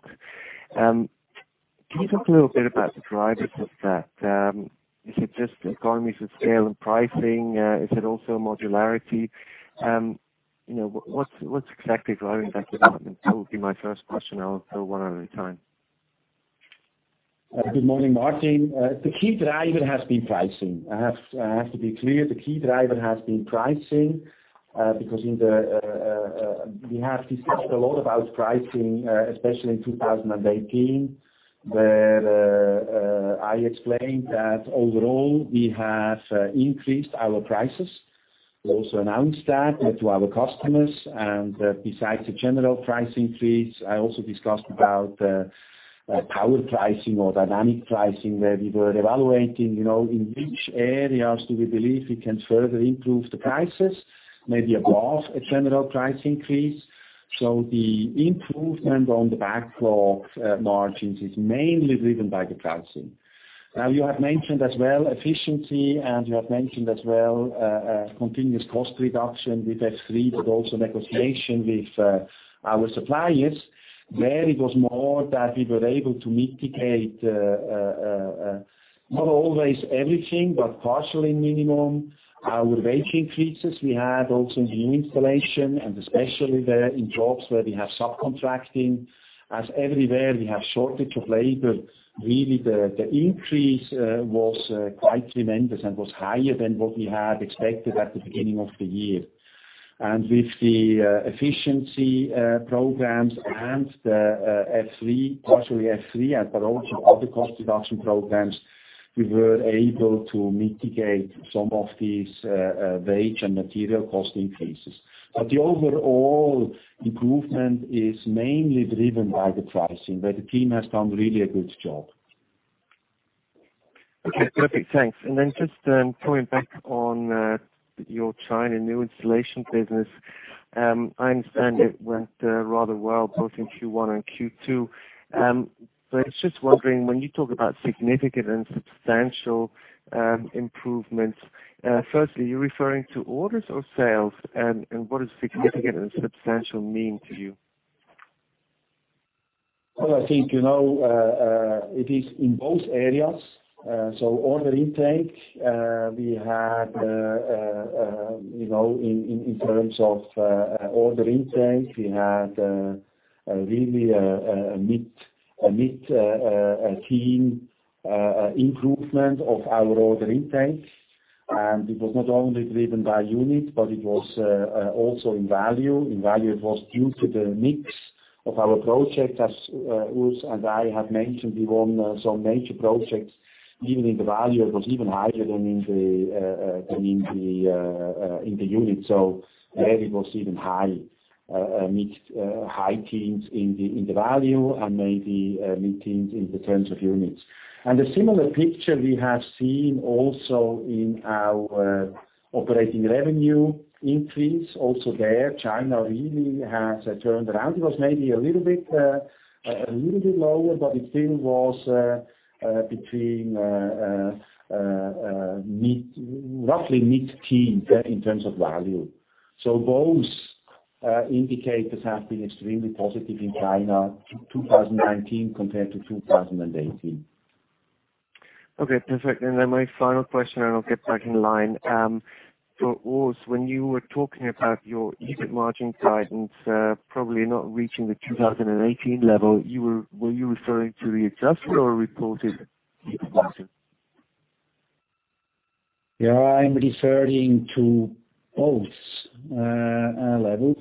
Can you talk a little bit about the drivers of that? Is it just economies of scale and pricing? Is it also modularity? What's exactly driving that development? That would be my first question. I will throw one at a time. Good morning, Martin. The key driver has been pricing. I have to be clear, the key driver has been pricing, because we have discussed a lot about pricing, especially in 2018, where I explained that overall, we have increased our prices. We also announced that to our customers. Besides the general price increase, I also discussed about power pricing or dynamic pricing, where we were evaluating in which areas do we believe we can further improve the prices, maybe above a general price increase. The improvement on the backlog margins is mainly driven by the pricing. You have mentioned as well efficiency, and you have mentioned as well continuous cost reduction with F3 but also negotiation with our suppliers. There, it was more that we were able to mitigate, not always everything, but partially minimum our wage increases. We had also new installation and especially there in jobs where we have subcontracting, as everywhere we have shortage of labor. Really the increase was quite tremendous and was higher than what we had expected at the beginning of the year. With the efficiency programs and partially S/3 but also other cost reduction programs, we were able to mitigate some of these wage and material cost increases. The overall improvement is mainly driven by the pricing, where the team has done really a good job. Okay, perfect. Thanks. Just coming back on your China new installation business. I understand it went rather well, both in Q1 and Q2. I was just wondering, when you talk about significant and substantial improvements, firstly, are you referring to orders or sales? What does significant and substantial mean to you? Well, I think, it is in both areas. Order intake, in terms of order intake, we had really a mid-teen improvement of our order intake. It was not only driven by unit, but it was also in value. In value, it was due to the mix of our projects. As Urs and I have mentioned, we won some major projects, even in the value, it was even higher than in the unit. There it was even high, mid-high teens in the value and maybe mid-teens in the terms of units. A similar picture we have seen also in our operating revenue increase. Also there, China really has turned around. It was maybe a little bit lower, but it still was between roughly mid-teen in terms of value. Both indicators have been extremely positive in China 2019 compared to 2018. Okay, perfect. Then my final question, and I'll get back in line. For Urs, when you were talking about your EBIT margin guidance, probably not reaching the 2018 level, were you referring to the adjusted or reported EBIT margin? Yeah, I'm referring to both levels.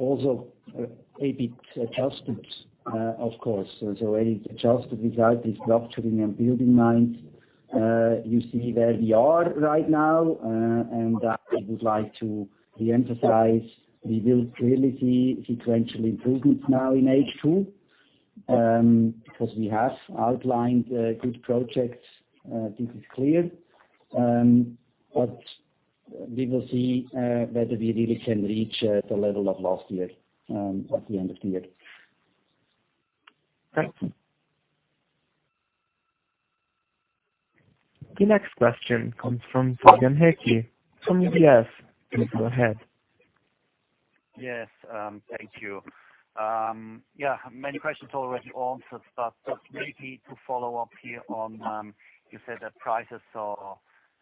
Also EBIT adjusted, of course. Adjusted without this structuring and BuildingMinds, you see where we are right now, and I would like to re-emphasize, we will clearly see sequential improvements now in H2, because we have outlined good projects. This is clear. We will see whether we really can reach the level of last year, at the end of the year. Thank you. The next question comes from Fabian Haecki from UBS. Please go ahead. Yes. Thank you. Yeah, many questions already answered, but just maybe to follow up here on, you said that prices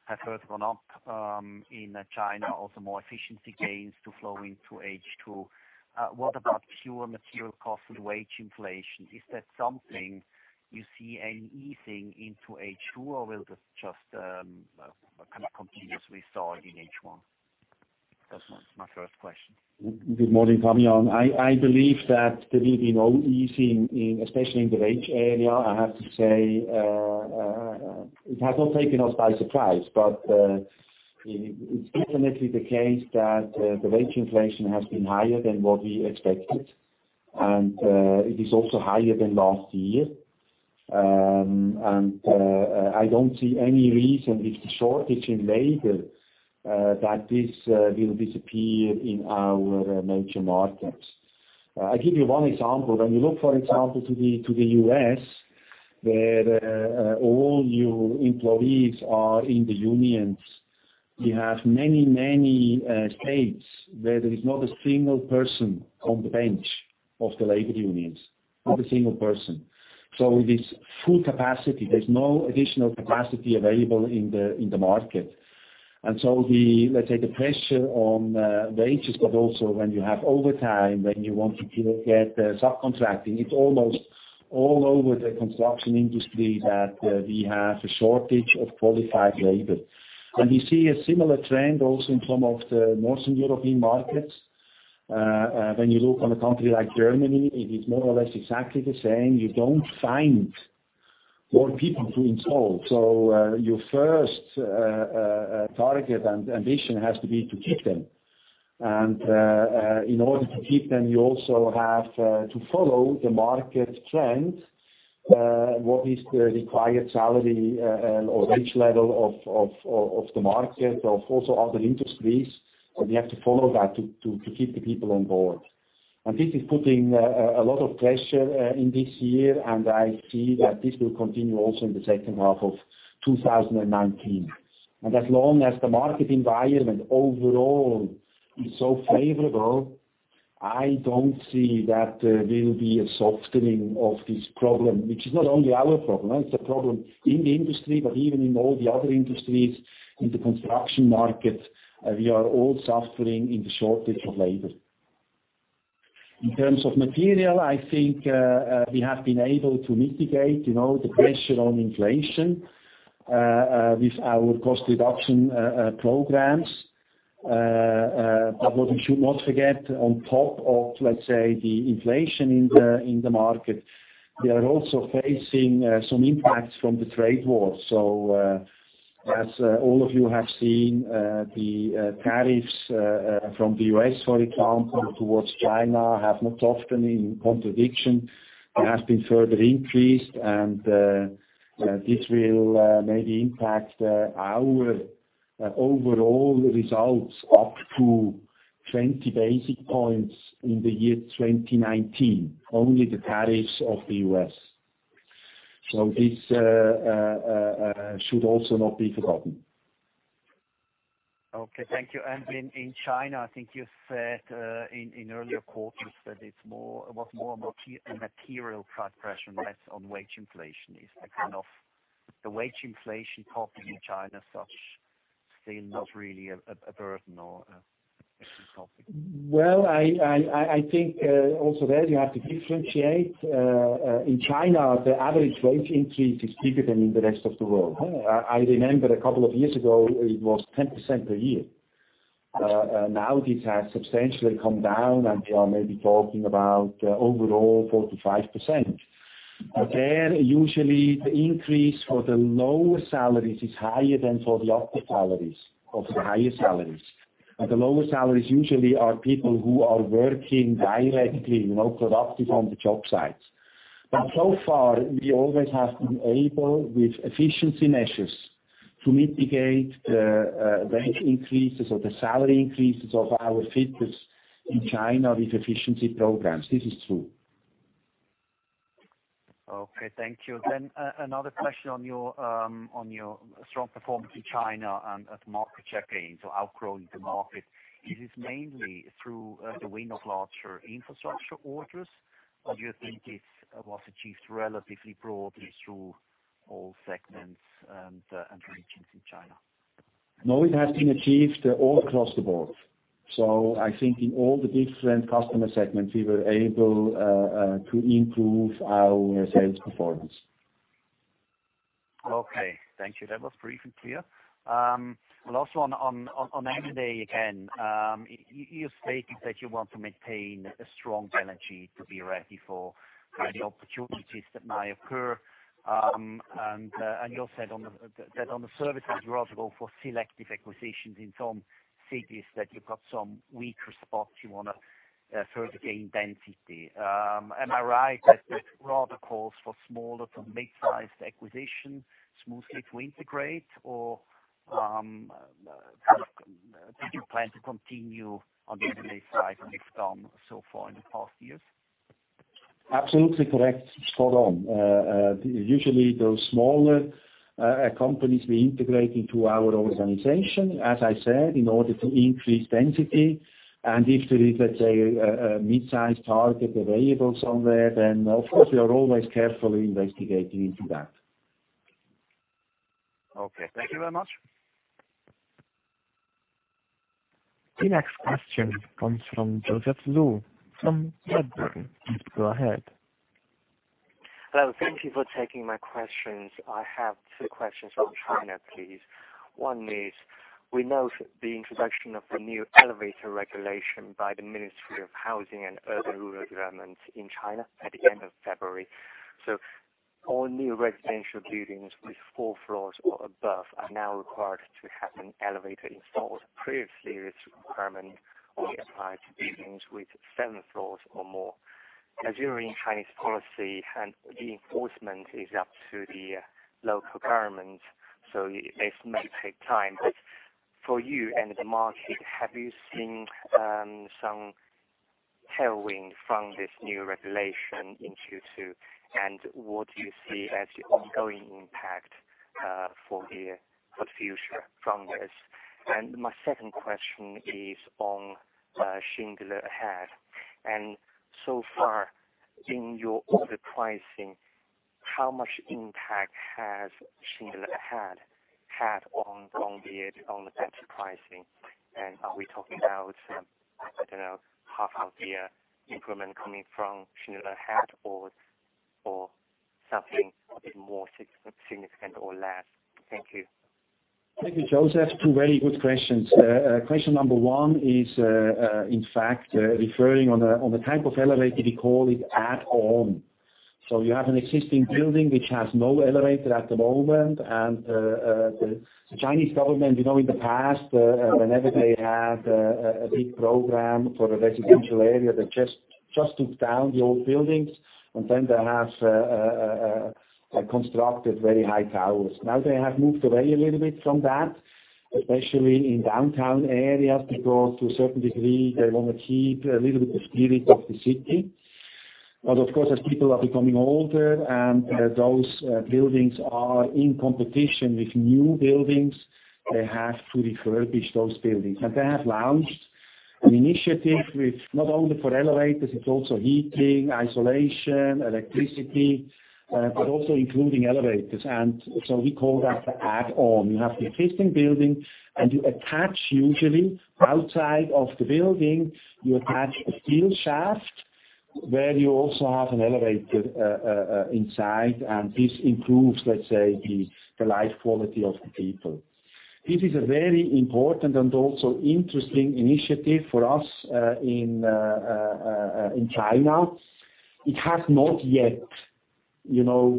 have further gone up in China, also more efficiency gains to flow into H2. What about pure material cost and wage inflation? Is that something you see any easing into H2, or will this just continuously soar in H1? That's my first question. Good morning, Fabian. I believe that there will be no easing, especially in the wage area. I have to say, it has not taken us by surprise, but it's definitely the case that the wage inflation has been higher than what we expected, and it is also higher than last year. I don't see any reason with the shortage in labor, that this will disappear in our major markets. I give you one example. When you look, for example, to the U.S., where all your employees are in the unions, you have many, many states where there is not a single person on the bench of the labor unions, not a single person. With this full capacity, there's no additional capacity available in the market. Let's say the pressure on wages, but also when you have overtime, when you want to get subcontracting, it's almost all over the construction industry that we have a shortage of qualified labor. We see a similar trend also in some of the Northern European markets. When you look on a country like Germany, it is more or less exactly the same. You don't find more people to install. Your first target and ambition has to be to keep them. In order to keep them, you also have to follow the market trend, what is the required salary or wage level of the market of also other industries. You have to follow that to keep the people on board. This is putting a lot of pressure in this year, and I see that this will continue also in the second half of 2019. As long as the market environment overall is so favorable, I don't see that there will be a softening of this problem. Which is not only our problem, it's a problem in the industry, but even in all the other industries, in the construction market, we are all suffering in the shortage of labor. In terms of material, I think, we have been able to mitigate the pressure on inflation, with our cost reduction programs. What we should not forget, on top of, let's say, the inflation in the market, we are also facing some impacts from the trade war. As all of you have seen, the tariffs from the U.S., for example, towards China, have not often in contradiction, have been further increased, and this will maybe impact our overall results up to 20 basis points in the year 2019. Only the tariffs of the U.S. This should also not be forgotten. Okay. Thank you. In China, I think you said, in earlier quarters that it was more a material price pressure and less on wage inflation. Is the wage inflation problem in China still not really a burden or a topic. Well, I think also there you have to differentiate. In China, the average wage increase is bigger than in the rest of the world. I remember a couple of years ago, it was 10% per year. Now this has substantially come down, and we are maybe talking about overall 4%-5%. There, usually the increase for the lower salaries is higher than for the upper salaries, of the higher salaries. The lower salaries usually are people who are working directly, productive on the job sites. So far, we always have been able, with efficiency measures, to mitigate the wage increases or the salary increases of our people in China with efficiency programs. This is true. Okay. Thank you. Another question on your strong performance in China and at market share gains, so outgrowing the market. Is it mainly through the win of larger infrastructure orders, or do you think it was achieved relatively broadly through all segments and regions in China? No, it has been achieved all across the board. I think in all the different customer segments, we were able to improve our sales performance. Okay. Thank you. That was brief and clear. Well, also on M&A again, you stated that you want to maintain a strong balance sheet to be ready for any opportunities that might occur. You also said that on the services, you would rather go for selective acquisitions in some cities that you've got some weaker spots you want to further gain density. Am I right that it rather calls for smaller to mid-sized acquisitions smoothly to integrate, or do you plan to continue on M&A side like you've done so far in the past years? Absolutely correct. Spot on. Usually those smaller companies we integrate into our organization, as I said, in order to increase density. If there is, let's say, a mid-size target available somewhere, then of course, we are always carefully investigating into that. Okay. Thank you very much. The next question comes from Joel Spungin from Redburn. Please go ahead. Hello. Thank you for taking my questions. I have two questions on China, please. One is, we know the introduction of the new elevator regulation by the Ministry of Housing and Urban-Rural Development in China at the end of February. All new residential buildings with four floors or above are now required to have an elevator installed. Previously, this requirement only applied to buildings with seven floors or more. As you know, in Chinese policy, the enforcement is up to the local government, so this may take time. For you and the market, have you seen some tailwind from this new regulation in Q2? What do you see as the ongoing impact for the future from this? My second question is on Schindler Ahead. So far in your order pricing, how much impact has Schindler had on the better pricing? Are we talking about, I don't know, half of the improvement coming from Schindler Ahead or something a bit more significant or less? Thank you. Thank you, Joel. Two very good questions. Question number one is in fact referring on the type of elevator, we call it add-on. You have an existing building which has no elevator at the moment, and the Chinese government in the past, whenever they had a big program for a residential area, they just took down the old buildings, and then they have constructed very high towers. Now they have moved away a little bit from that, especially in downtown areas, because to a certain degree, they want to keep a little bit of spirit of the city. Of course, as people are becoming older and those buildings are in competition with new buildings, they have to refurbish those buildings. They have launched an initiative with not only for elevators, it is also heating, isolation, electricity, but also including elevators. We call that the add-on. You have the existing building and you attach usually outside of the building, you attach a steel shaft where you also have an elevator inside, and this improves, let's say, the life quality of the people. This is a very important and also interesting initiative for us in China. It has not yet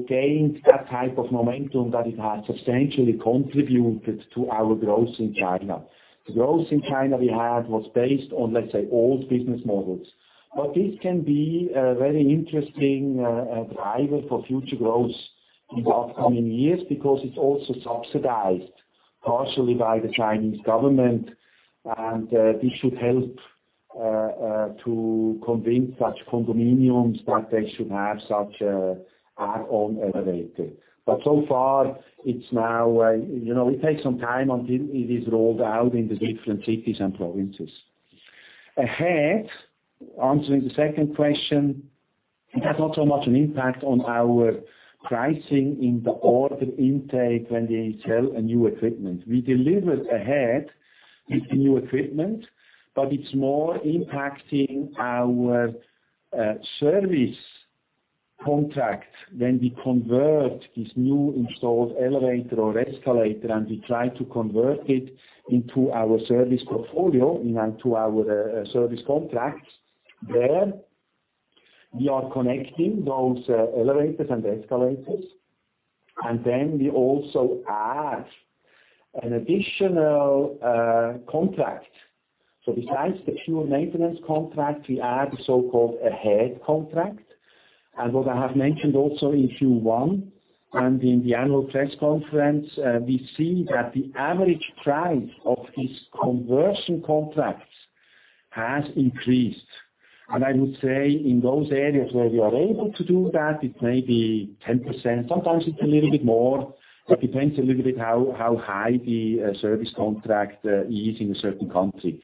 gained that type of momentum that it has substantially contributed to our growth in China. The growth in China we had was based on, let's say, old business models. This can be a very interesting driver for future growth in the upcoming years because it's also subsidized partially by the Chinese Government, and this should help to convince such condominiums that they should have such add-on elevator. So far, it takes some time until it is rolled out in the different cities and provinces. Ahead, answering the second question, it has not so much an impact on our pricing in the order intake when they sell a new equipment. We deliver Ahead with the new equipment, but it's more impacting our service contract when we convert this new installed elevator or escalator, and we try to convert it into our service portfolio, into our service contracts. There, we are connecting those elevators and escalators, and then we also add an additional contract. Besides the pure maintenance contract, we add the so-called Ahead contract. What I have mentioned also in Q1 and in the annual press conference, we see that the average price of these conversion contracts has increased. I would say in those areas where we are able to do that, it may be 10%, sometimes it's a little bit more. It depends a little bit how high the service contract is in a certain country.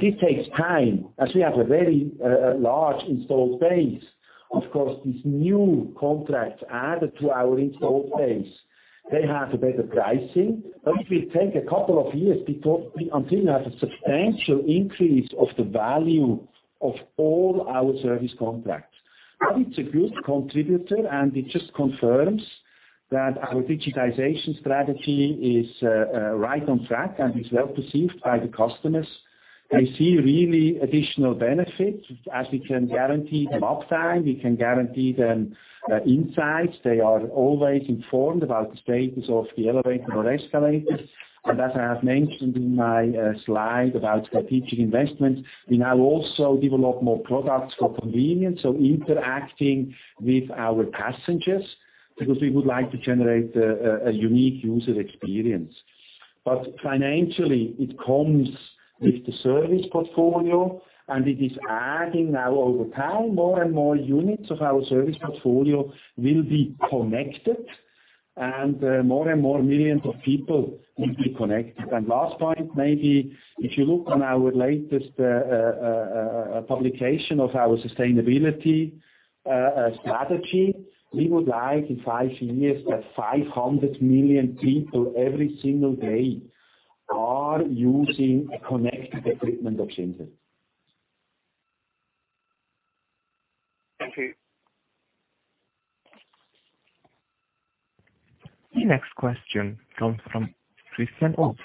This takes time, as we have a very large installed base. Of course, these new contracts added to our installed base, they have a better pricing, but it will take a couple of years until we have a substantial increase of the value of all our service contracts. It's a good contributor, and it just confirms that our digitization strategy is right on track and is well-perceived by the customers. We see really additional benefit, as we can guarantee them uptime, we can guarantee them insights. They are always informed about the status of the elevator or escalator. As I have mentioned in my slide about strategic investments, we now also develop more products for convenience, so interacting with our passengers, because we would like to generate a unique user experience. Financially, it comes with the service portfolio, and it is adding now over time, more and more units of our service portfolio will be connected, and more and more millions of people will be connected. Last point, maybe if you look on our latest publication of our sustainability strategy, we would like in five years that 500 million people every single day are using a connected equipment of Schindler. Thank you. The next question comes from Christian Obst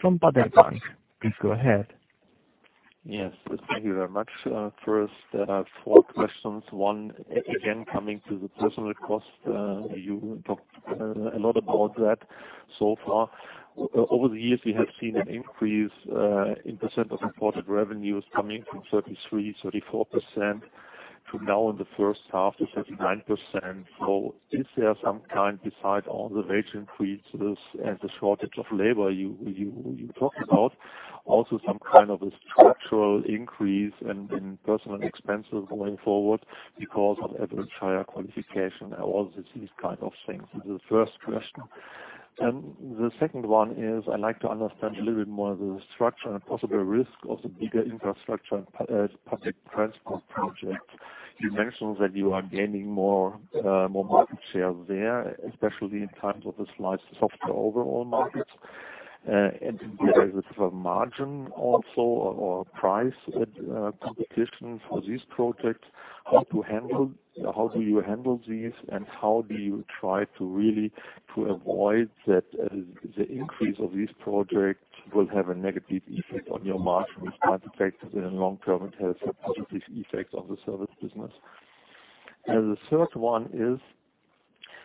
from Baader Bank. Please go ahead. Yes. Thank you very much. First, four questions. One, again, coming to the personnel cost. You talked a lot about that so far. Over the years, we have seen an increase in % of supported revenues coming from 33%, 34% to now in the first half to 39%. Is there some kind, beside all the wage increases and the shortage of labor you talked about, also some kind of a structural increase in personal expenses going forward because of average higher qualification and all these kind of things? This is the first question. The second one is, I like to understand a little bit more the structure and possible risk of the bigger infrastructure and public transport project. You mentioned that you are gaining more market share there, especially in times of a slight softer overall market. There is a margin also or price competition for these projects. How do you handle these, and how do you try to really avoid that the increase of these projects will have a negative effect on your margin, which might affect in the long term, it has a positive effect on the service business. The third one is,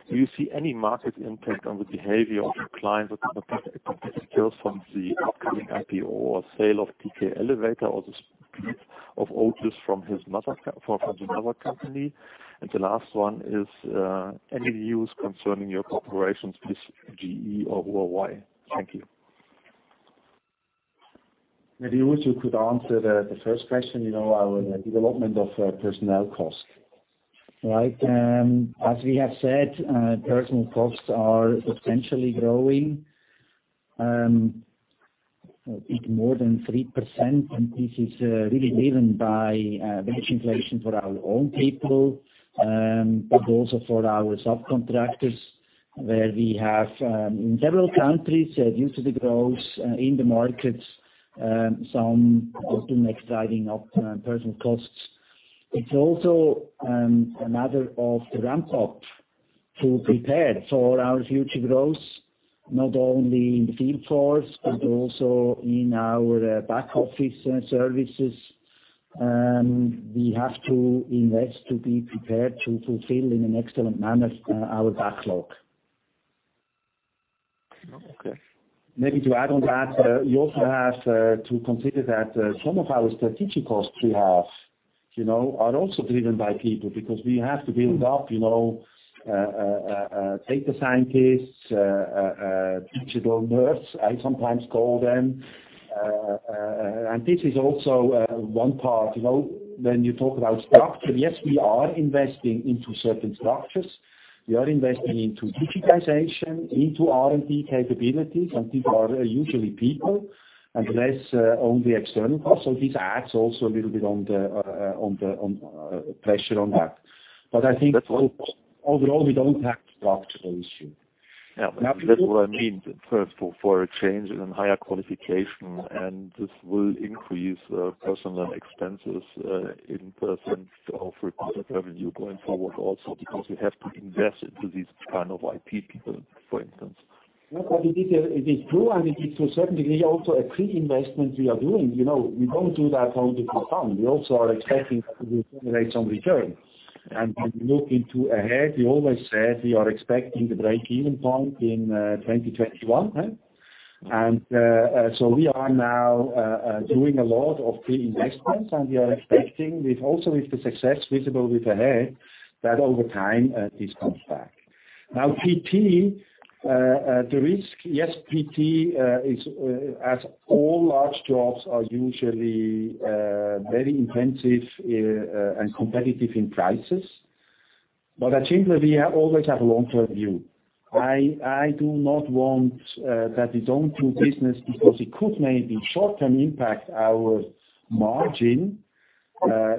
do you see any market impact on the behavior of your clients with respect to skills from the upcoming IPO or sale of TK Elevator or the split of Otis from the mother company? The last one is, any news concerning your cooperation with GE or Huawei? Thank you. Maybe Urs could answer the first question, our development of personnel cost. Right. As we have said, personnel costs are potentially growing, I think more than 3%, and this is really driven by wage inflation for our own people, but also for our subcontractors, where we have in several countries, due to the growth in the markets, some automatic sliding of personnel costs. It's also a matter of the ramp-up to prepare for our future growth, not only in the field force but also in our back office services. We have to invest to be prepared to fulfill in an excellent manner our backlog. Okay. Maybe to add on that, you also have to consider that some of our strategic costs we have, are also driven by people because we have to build up data scientists, digital nerds, I sometimes call them. This is also one part. When you talk about structure, yes, we are investing into certain structures. We are investing into digitization, into R&D capabilities, and these are usually people and less on the external cost. This adds also a little bit on the pressure on that. I think overall, we don't have structural issue. Yeah. That's what I mean. First, for a change in a higher qualification, this will increase personal expenses in % of recorded revenue going forward also because we have to invest into these kind of IT people, for instance. It is true, and it is to a certain degree also a pre-investment we are doing. We don't do that only for fun. We also are expecting that we will generate some return. When we look into Ahead, we always said we are expecting the breakeven point in 2021. We are now doing a lot of pre-investments, and we are expecting with also with the success visible with Ahead that over time, this comes back. Now, PT, the risk, yes, PT is as all large jobs are usually very intensive and competitive in prices. At Schindler, we always have a long-term view. I do not want that we don't do business because it could maybe short-term impact our margin,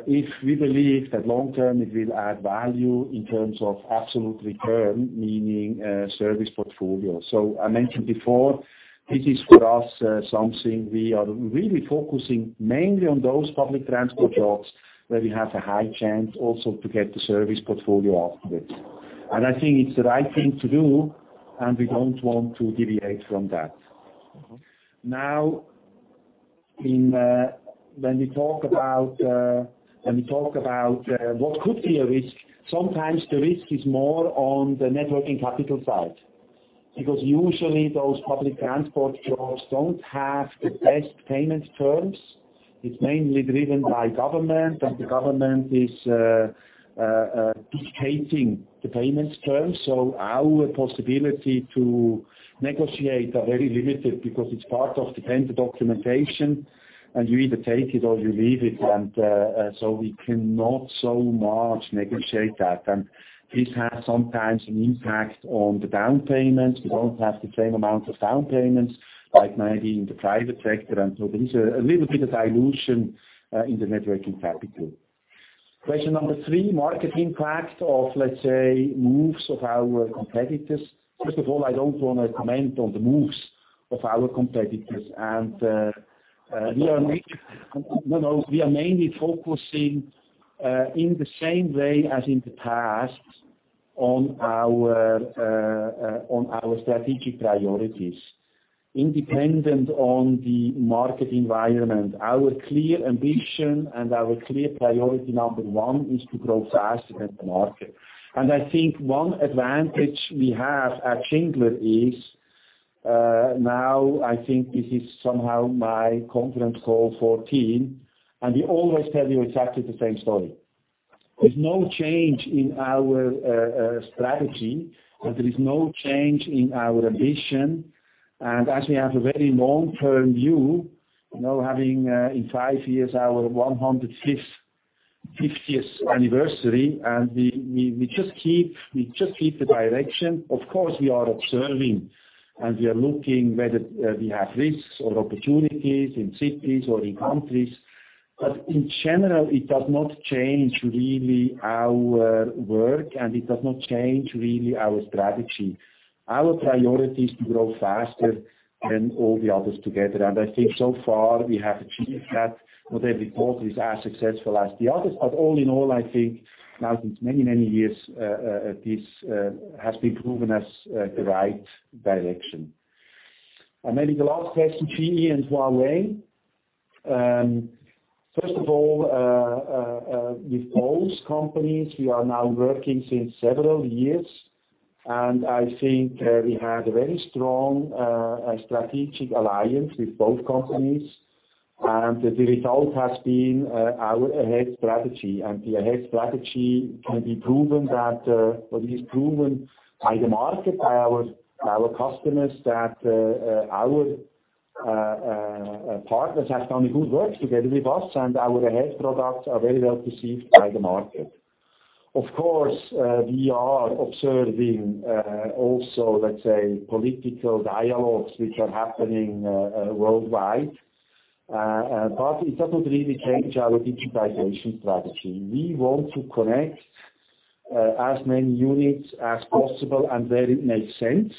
if we believe that long-term it will add value in terms of absolute return, meaning service portfolio. I mentioned before, this is for us something we are really focusing mainly on those public transport jobs where we have a high chance also to get the service portfolio afterwards. I think it's the right thing to do, and we don't want to deviate from that. Now, when we talk about what could be a risk, sometimes the risk is more on the net working capital side because usually those public transport jobs don't have the best payment terms. It's mainly driven by government, and the government is dictating the payments terms. Our possibility to negotiate are very limited because it's part of the tender documentation, and you either take it or you leave it. We cannot so much negotiate that. This has sometimes an impact on the down payment. We don't have the same amount of down payments like maybe in the private sector. There is a little bit of dilution in the net working capital. Question number three, market impact of, let's say, moves of our competitors. First of all, I don't want to comment on the moves of our competitors. Okay we are mainly focusing in the same way as in the past on our strategic priorities, independent on the market environment. Our clear ambition and our clear priority number one is to grow faster than the market. I think one advantage we have at Schindler is, now I think this is somehow my conference call 14, and we always tell you exactly the same story. There's no change in our strategy, and there is no change in our ambition. As we have a very long-term view, now having in five years our 150th anniversary, and we just keep the direction. Of course, we are observing, and we are looking whether we have risks or opportunities in cities or in countries. In general, it does not change really our work, and it does not change really our strategy. Our priority is to grow faster than all the others together. I think so far we have achieved that. Not every quarter is as successful as the others, all in all, I think now since many, many years, this has been proven as the right direction. Maybe the last question, GE and Huawei. First of all, with both companies, we are now working since several years, I think we have a very strong strategic alliance with both companies. The result has been our Ahead strategy. The Ahead strategy can be proven that, or it is proven by the market, by our customers that our partners have done a good work together with us and our Ahead products are very well perceived by the market. Of course, we are observing also, let's say, political dialogues which are happening worldwide. It does not really change our digitization strategy. We want to connect as many units as possible and where it makes sense.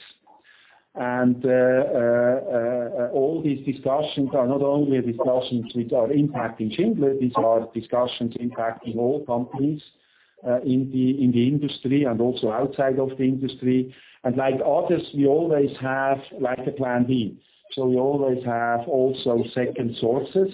All these discussions are not only discussions which are impacting Schindler, these are discussions impacting all companies in the industry and also outside of the industry. Like others, we always have like a plan B. We always have also second sources.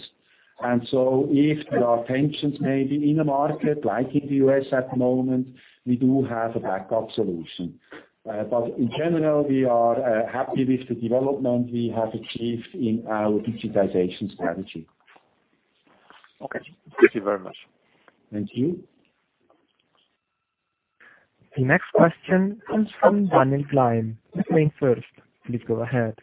If there are tensions maybe in a market like in the U.S. at the moment, we do have a backup solution. In general, we are happy with the development we have achieved in our digitization strategy. Okay. Thank you very much. Thank you. The next question comes from Daniel Gleim. You may first. Please go ahead.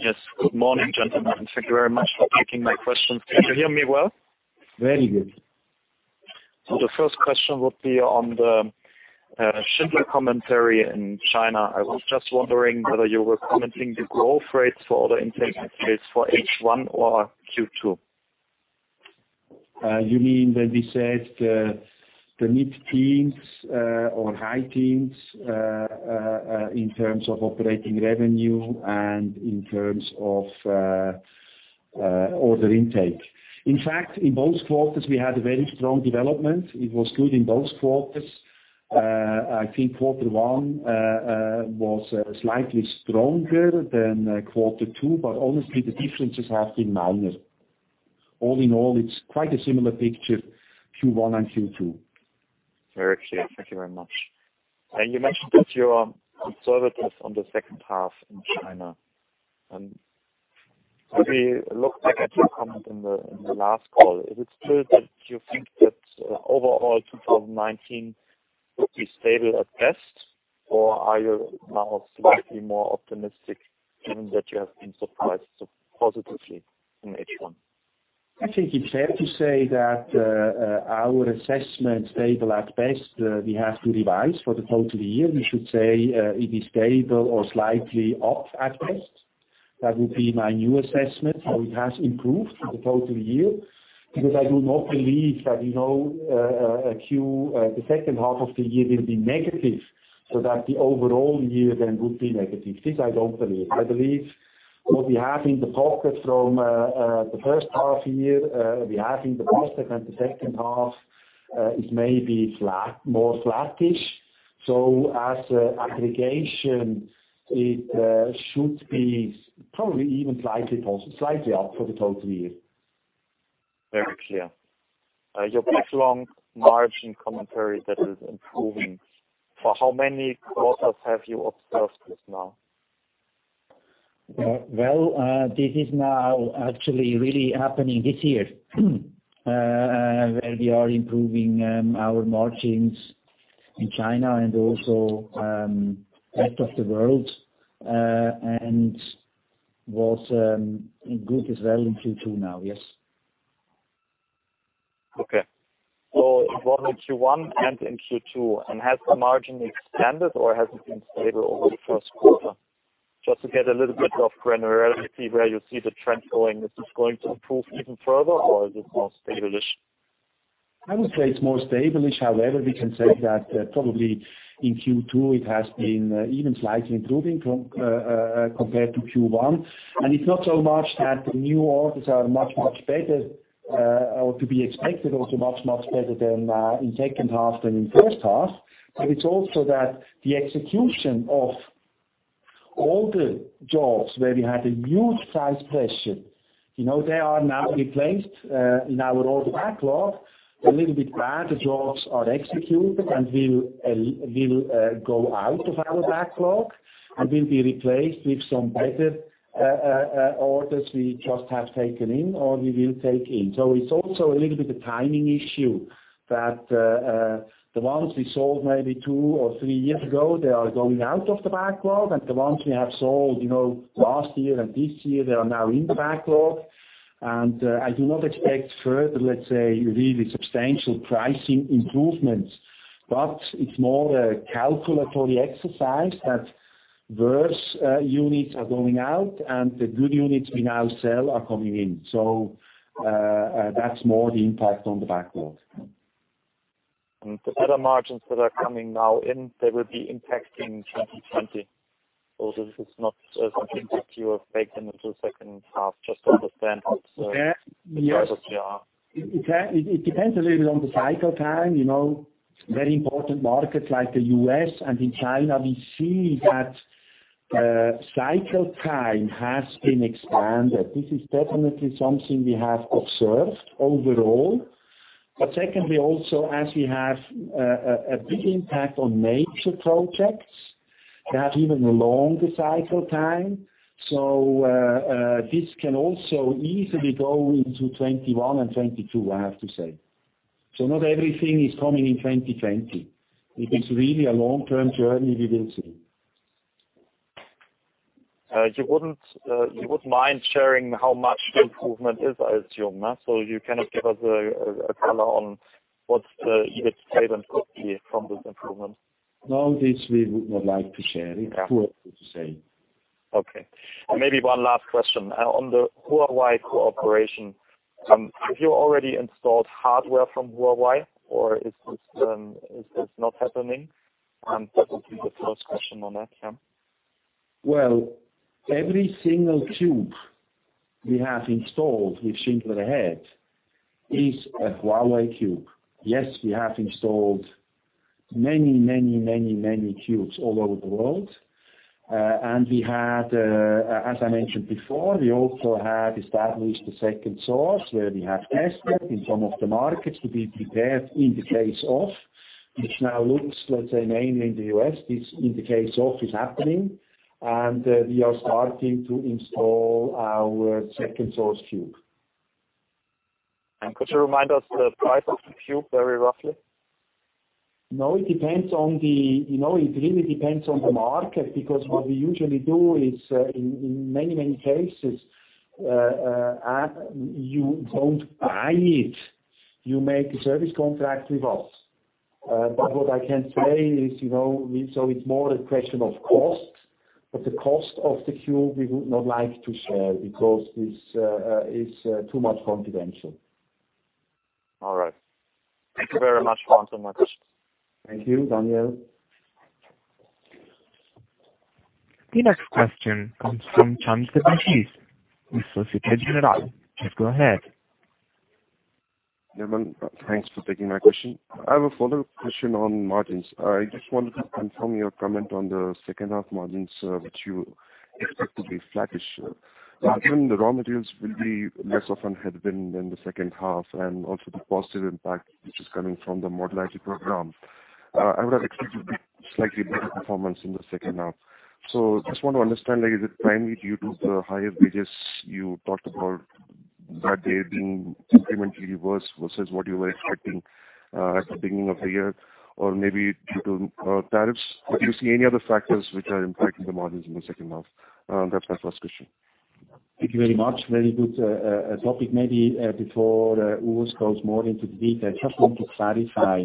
Yes. Good morning, gentlemen. Thank you very much for taking my questions. Can you hear me well? Very good. The first question would be on the Schindler commentary in China. I was just wondering whether you were commenting the growth rates for the entire space for H1 or Q2? You mean when we said the mid-teens or high teens in terms of operating revenue and in terms of order intake? In fact, in both quarters, we had a very strong development. It was good in both quarters. I think quarter one was slightly stronger than quarter two, but honestly, the differences have been minor. All in all, it's quite a similar picture, Q1 and Q2. Very clear. Thank you very much. You mentioned that you are conservative on the second half in China. When we look back at your comment in the last call, is it still that you think that overall 2019 will be stable at best, or are you now slightly more optimistic given that you have been surprised positively in H1? I think it's fair to say that our assessment stable at best, we have to revise for the total year. We should say it is stable or slightly up at best. That would be my new assessment, how it has improved for the total year. I do not believe that the second half of the year will be negative so that the overall year then would be negative. This I don't believe. I believe what we have in the pocket from the first half year, we have in the pocket and the second half is maybe more flattish. As aggregation, it should be probably even slightly up for the total year. Very clear. Your backlog margin commentary that is improving, for how many quarters have you observed this now? Well, this is now actually really happening this year, where we are improving our margins in China and also rest of the world, and was good as well in Q2 now, yes. Okay. It was in Q1 and in Q2, and has the margin expanded or has it been stable over the first quarter? Just to get a little bit of granularity where you see the trend going. Is this going to improve even further or is it more stable-ish? I would say it's more stable-ish. However, we can say that probably in Q2 it has been even slightly improving compared to Q1. It's not so much that the new orders are much, much better, or to be expected also much, much better than in second half than in first half. It's also that the execution of older jobs where we had a huge size pressure. They are now replaced in our old backlog a little bit while the jobs are executed and will go out of our backlog and will be replaced with some better orders we just have taken in or we will take in. It's also a little bit a timing issue that the ones we sold maybe two or three years ago, they are going out of the backlog. The ones we have sold last year and this year, they are now in the backlog. I do not expect further, let's say, really substantial pricing improvements. It's more a calculatory exercise that worse units are going out and the good units we now sell are coming in. That's more the impact on the backlog. The better margins that are coming now in, they will be impacting 2020. Also, this is not something that you have baked into the second half. Just to understand how we are. It depends a little bit on the cycle time. Very important markets like the U.S. and in China, we see that cycle time has been expanded. This is definitely something we have observed overall. Secondly, also, as we have a big impact on major projects that have even a longer cycle time. This can also easily go into 2021 and 2022, I have to say. Not everything is coming in 2020. It is really a long-term journey we will see. You wouldn't mind sharing how much the improvement is, I assume? You cannot give us a color on what the EBIT statement could be from this improvement? No, this we would not like to share. It's too early to say. Okay. Maybe one last question. On the Huawei cooperation, have you already installed hardware from Huawei or is this not happening? That would be the first question on that, yeah. Well, every single CUBE we have installed with Schindler Ahead is a Huawei CUBE. Yes, we have installed many, many CUBEs all over the world. We had, as I mentioned before, we also had established a second source where we have tested in some of the markets to be prepared in the case of, which now looks, let's say, mainly in the U.S., this in the case of is happening, and we are starting to install our second-source CUBE. Could you remind us the price of the CUBE very roughly? It really depends on the market because what we usually do is, in many cases, you don't buy it. You make a service contract with us. What I can say is, it's more a question of cost, but the cost of the quality, we would not like to share because this is too much confidential. All right. Thank you very much. Thank you, Daniela. The next question comes from Debasis Chand, Société Générale. Please go ahead. Yeah, man. Thanks for taking my question. I have a follow-up question on margins. I just wanted to confirm your comment on the second half margins, which you expect to be flattish. Given the raw materials will be less of an headwind in the second half and also the positive impact which is coming from the modernization program, I would have expected slightly better performance in the second half. Just want to understand, is it primarily due to the higher wages you talked about, that they're being incrementally worse versus what you were expecting at the beginning of the year? Maybe due to tariffs? Do you see any other factors which are impacting the margins in the second half? That's my first question. Thank you very much. Very good topic. Maybe before Urs goes more into detail, just want to clarify.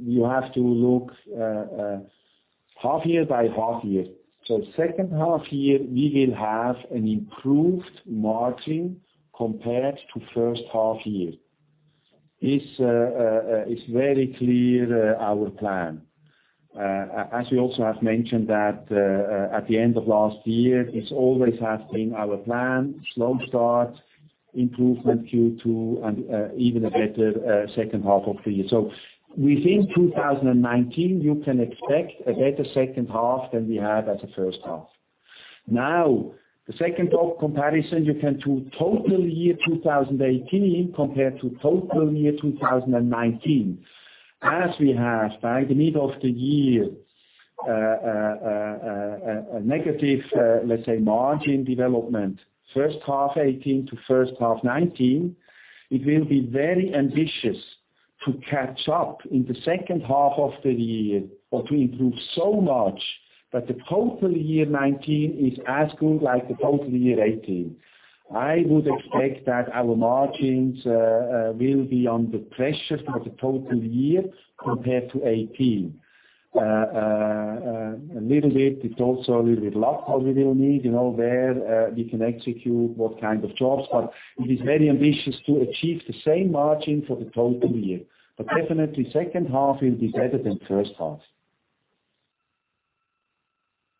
You have to look half year by half year. Second half year, we will have an improved margin compared to first half year. It is very clear, our plan. As we also have mentioned that at the end of last year, it always has been our plan, slow start, improvement Q2, and even a better second half of the year. Within 2019, you can expect a better second half than we had as a first half. Now, the second half comparison, you can do total year 2018 compared to total year 2019. As we have, by the middle of the year, a negative, let's say, margin development, first half 2018 to first half 2019, it will be very ambitious to catch up in the second half of the year or to improve so much that the total year 2019 is as good like the total year 2018. I would expect that our margins will be under pressure for the total year compared to 2018. A little bit, it's also a little bit luck what we will need. Where we can execute what kind of jobs, it is very ambitious to achieve the same margin for the total year. Definitely second half will be better than first half.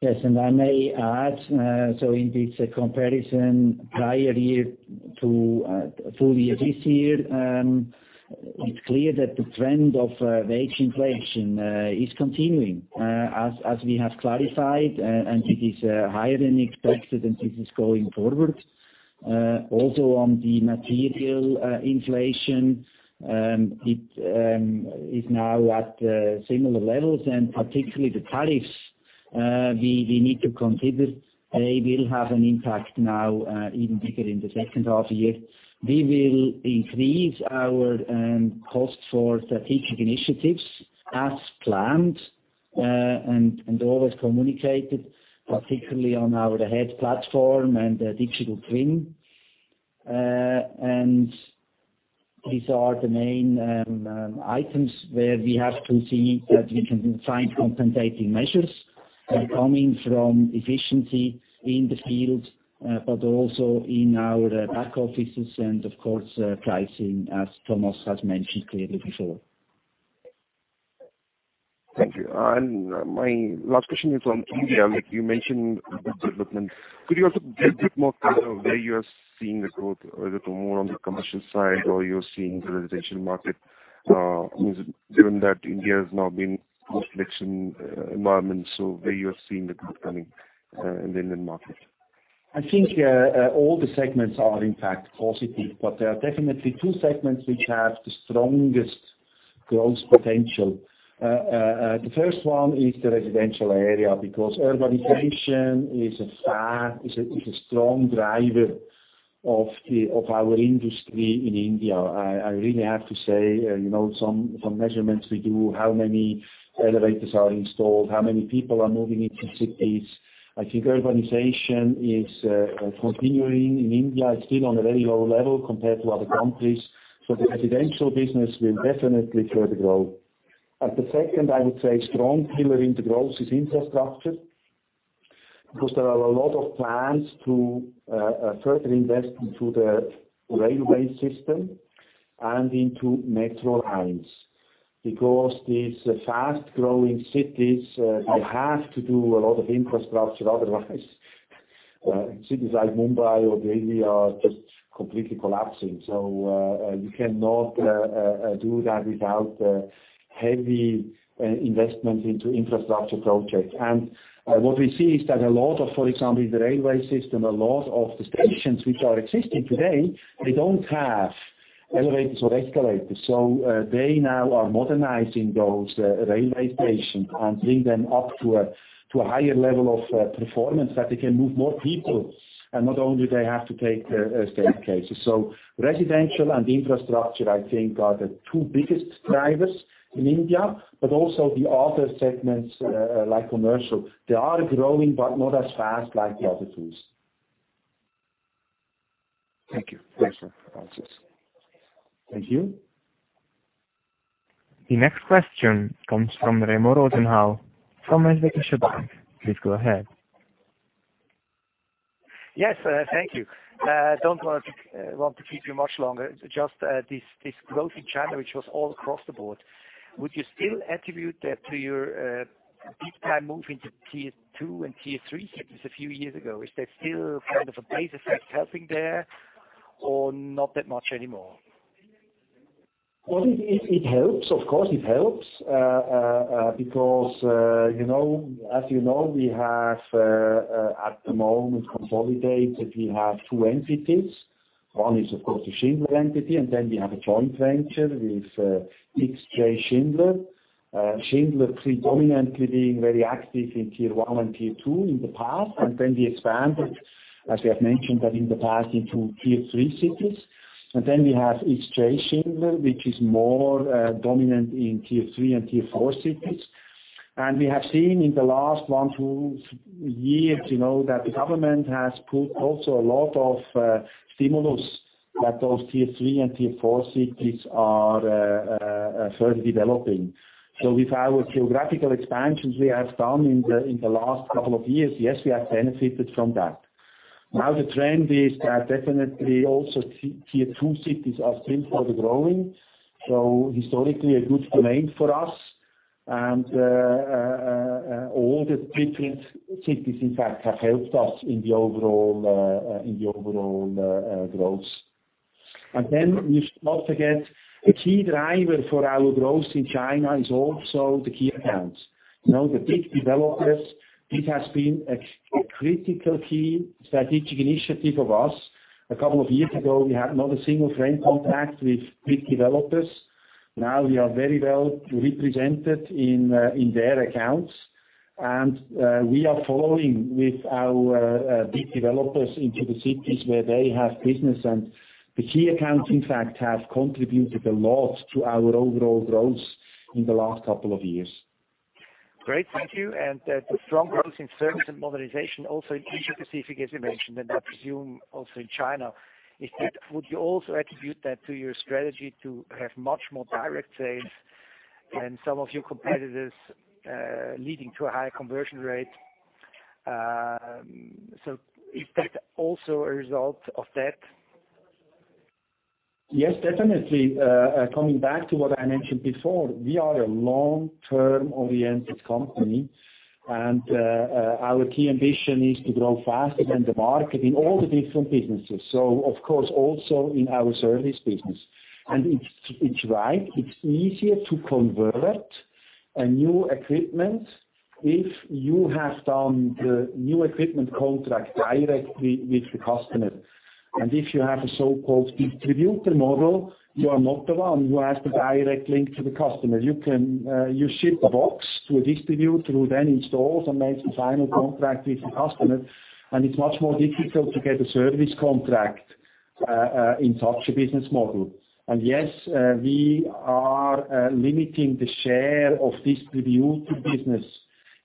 I may add, in this comparison prior year to full year this year, it's clear that the trend of wage inflation is continuing. As we have clarified, it is higher than expected, and this is going forward. On the material inflation, it is now at similar levels, particularly the tariffs we need to consider, they will have an impact now, even bigger in the second half year. We will increase our cost for strategic initiatives as planned, and always communicated, particularly on our Ahead platform and digital twin. These are the main items where we have to see that we can find compensating measures coming from efficiency in the fields, but also in our back offices and of course, pricing, as Thomas has mentioned clearly before. Thank you. My last question is on India. You mentioned good development. Could you also break it more where you are seeing the growth? Is it more on the commercial side, or you're seeing the residential market? Given that India has now been post-election environment, where you are seeing the growth coming in the Indian market? I think all the segments are in fact positive, but there are definitely two segments which have the strongest growth potential. The first one is the residential area, because urbanization is a strong driver of our industry in India. I really have to say, some measurements we do, how many elevators are installed, how many people are moving into cities, I think urbanization is continuing in India. It's still on a very low level compared to other countries. The residential business will definitely further grow. The second, I would say strong pillar into growth is infrastructure, because there are a lot of plans to further invest into the railway system and into metro lines. These fast-growing cities, they have to do a lot of infrastructure, otherwise cities like Mumbai or Delhi are just completely collapsing. You cannot do that without heavy investment into infrastructure projects. What we see is that a lot of, for example, in the railway system, a lot of the stations which are existing today, they don't have elevators or escalators. They now are modernizing those railway stations and bring them up to a higher level of performance that they can move more people, and not only they have to take the staircases. Residential and infrastructure, I think, are the two biggest drivers in India, but also the other segments like commercial, they are growing, but not as fast like the other two. Thank you. Thanks for the answers. Thank you. The next question comes from Remo Rothenbühler from Zürcher Kantonalbank. Please go ahead. Yes, thank you. Don't want to keep you much longer, just this growth in China, which was all across the board. Would you still attribute that to your big time move into tier 2 and tier 3 cities a few years ago? Is there still kind of a base effect helping there or not that much anymore? Well, it helps. Of course, it helps. As you know, we have at the moment consolidated, we have two entities. One is, of course, the Schindler entity, then we have a joint venture with Jardine Schindler. Schindler predominantly being very active in tier 1 and tier 2 in the past. Then we expanded, as we have mentioned that in the past, into tier 3 cities. Then we have Jardine Schindler, which is more dominant in tier 3 and tier 4 cities. We have seen in the last one, two years, that the government has put also a lot of stimulus that those tier 3 and tier 4 cities are further developing. With our geographical expansions we have done in the last couple of years, yes, we have benefited from that. The trend is that definitely also tier 2 cities are still further growing. Historically a good domain for us and all the different cities in fact have helped us in the overall growth. We should not forget, a key driver for our growth in China is also the key accounts. The big developers, it has been a critical key strategic initiative of us. A couple of years ago, we had not a single frame contact with big developers. Now we are very well represented in their accounts. We are following with our big developers into the cities where they have business, and the key accounts, in fact, have contributed a lot to our overall growth in the last couple of years. Great, thank you. The strong growth in service and modernization also in Asia Pacific, as you mentioned, and I presume also in China, would you also attribute that to your strategy to have much more direct sales than some of your competitors, leading to a higher conversion rate? Is that also a result of that? Yes, definitely. Coming back to what I mentioned before, we are a long-term oriented company. Our key ambition is to grow faster than the market in all the different businesses. Of course, also in our service business. It's right, it's easier to convert a new equipment if you have done the new equipment contract directly with the customer. If you have a so-called distributor model, you are not the one who has the direct link to the customer. You ship a box to a distributor who then installs and makes the final contract with the customer. It's much more difficult to get a service contract in such a business model. Yes, we are limiting the share of distributor business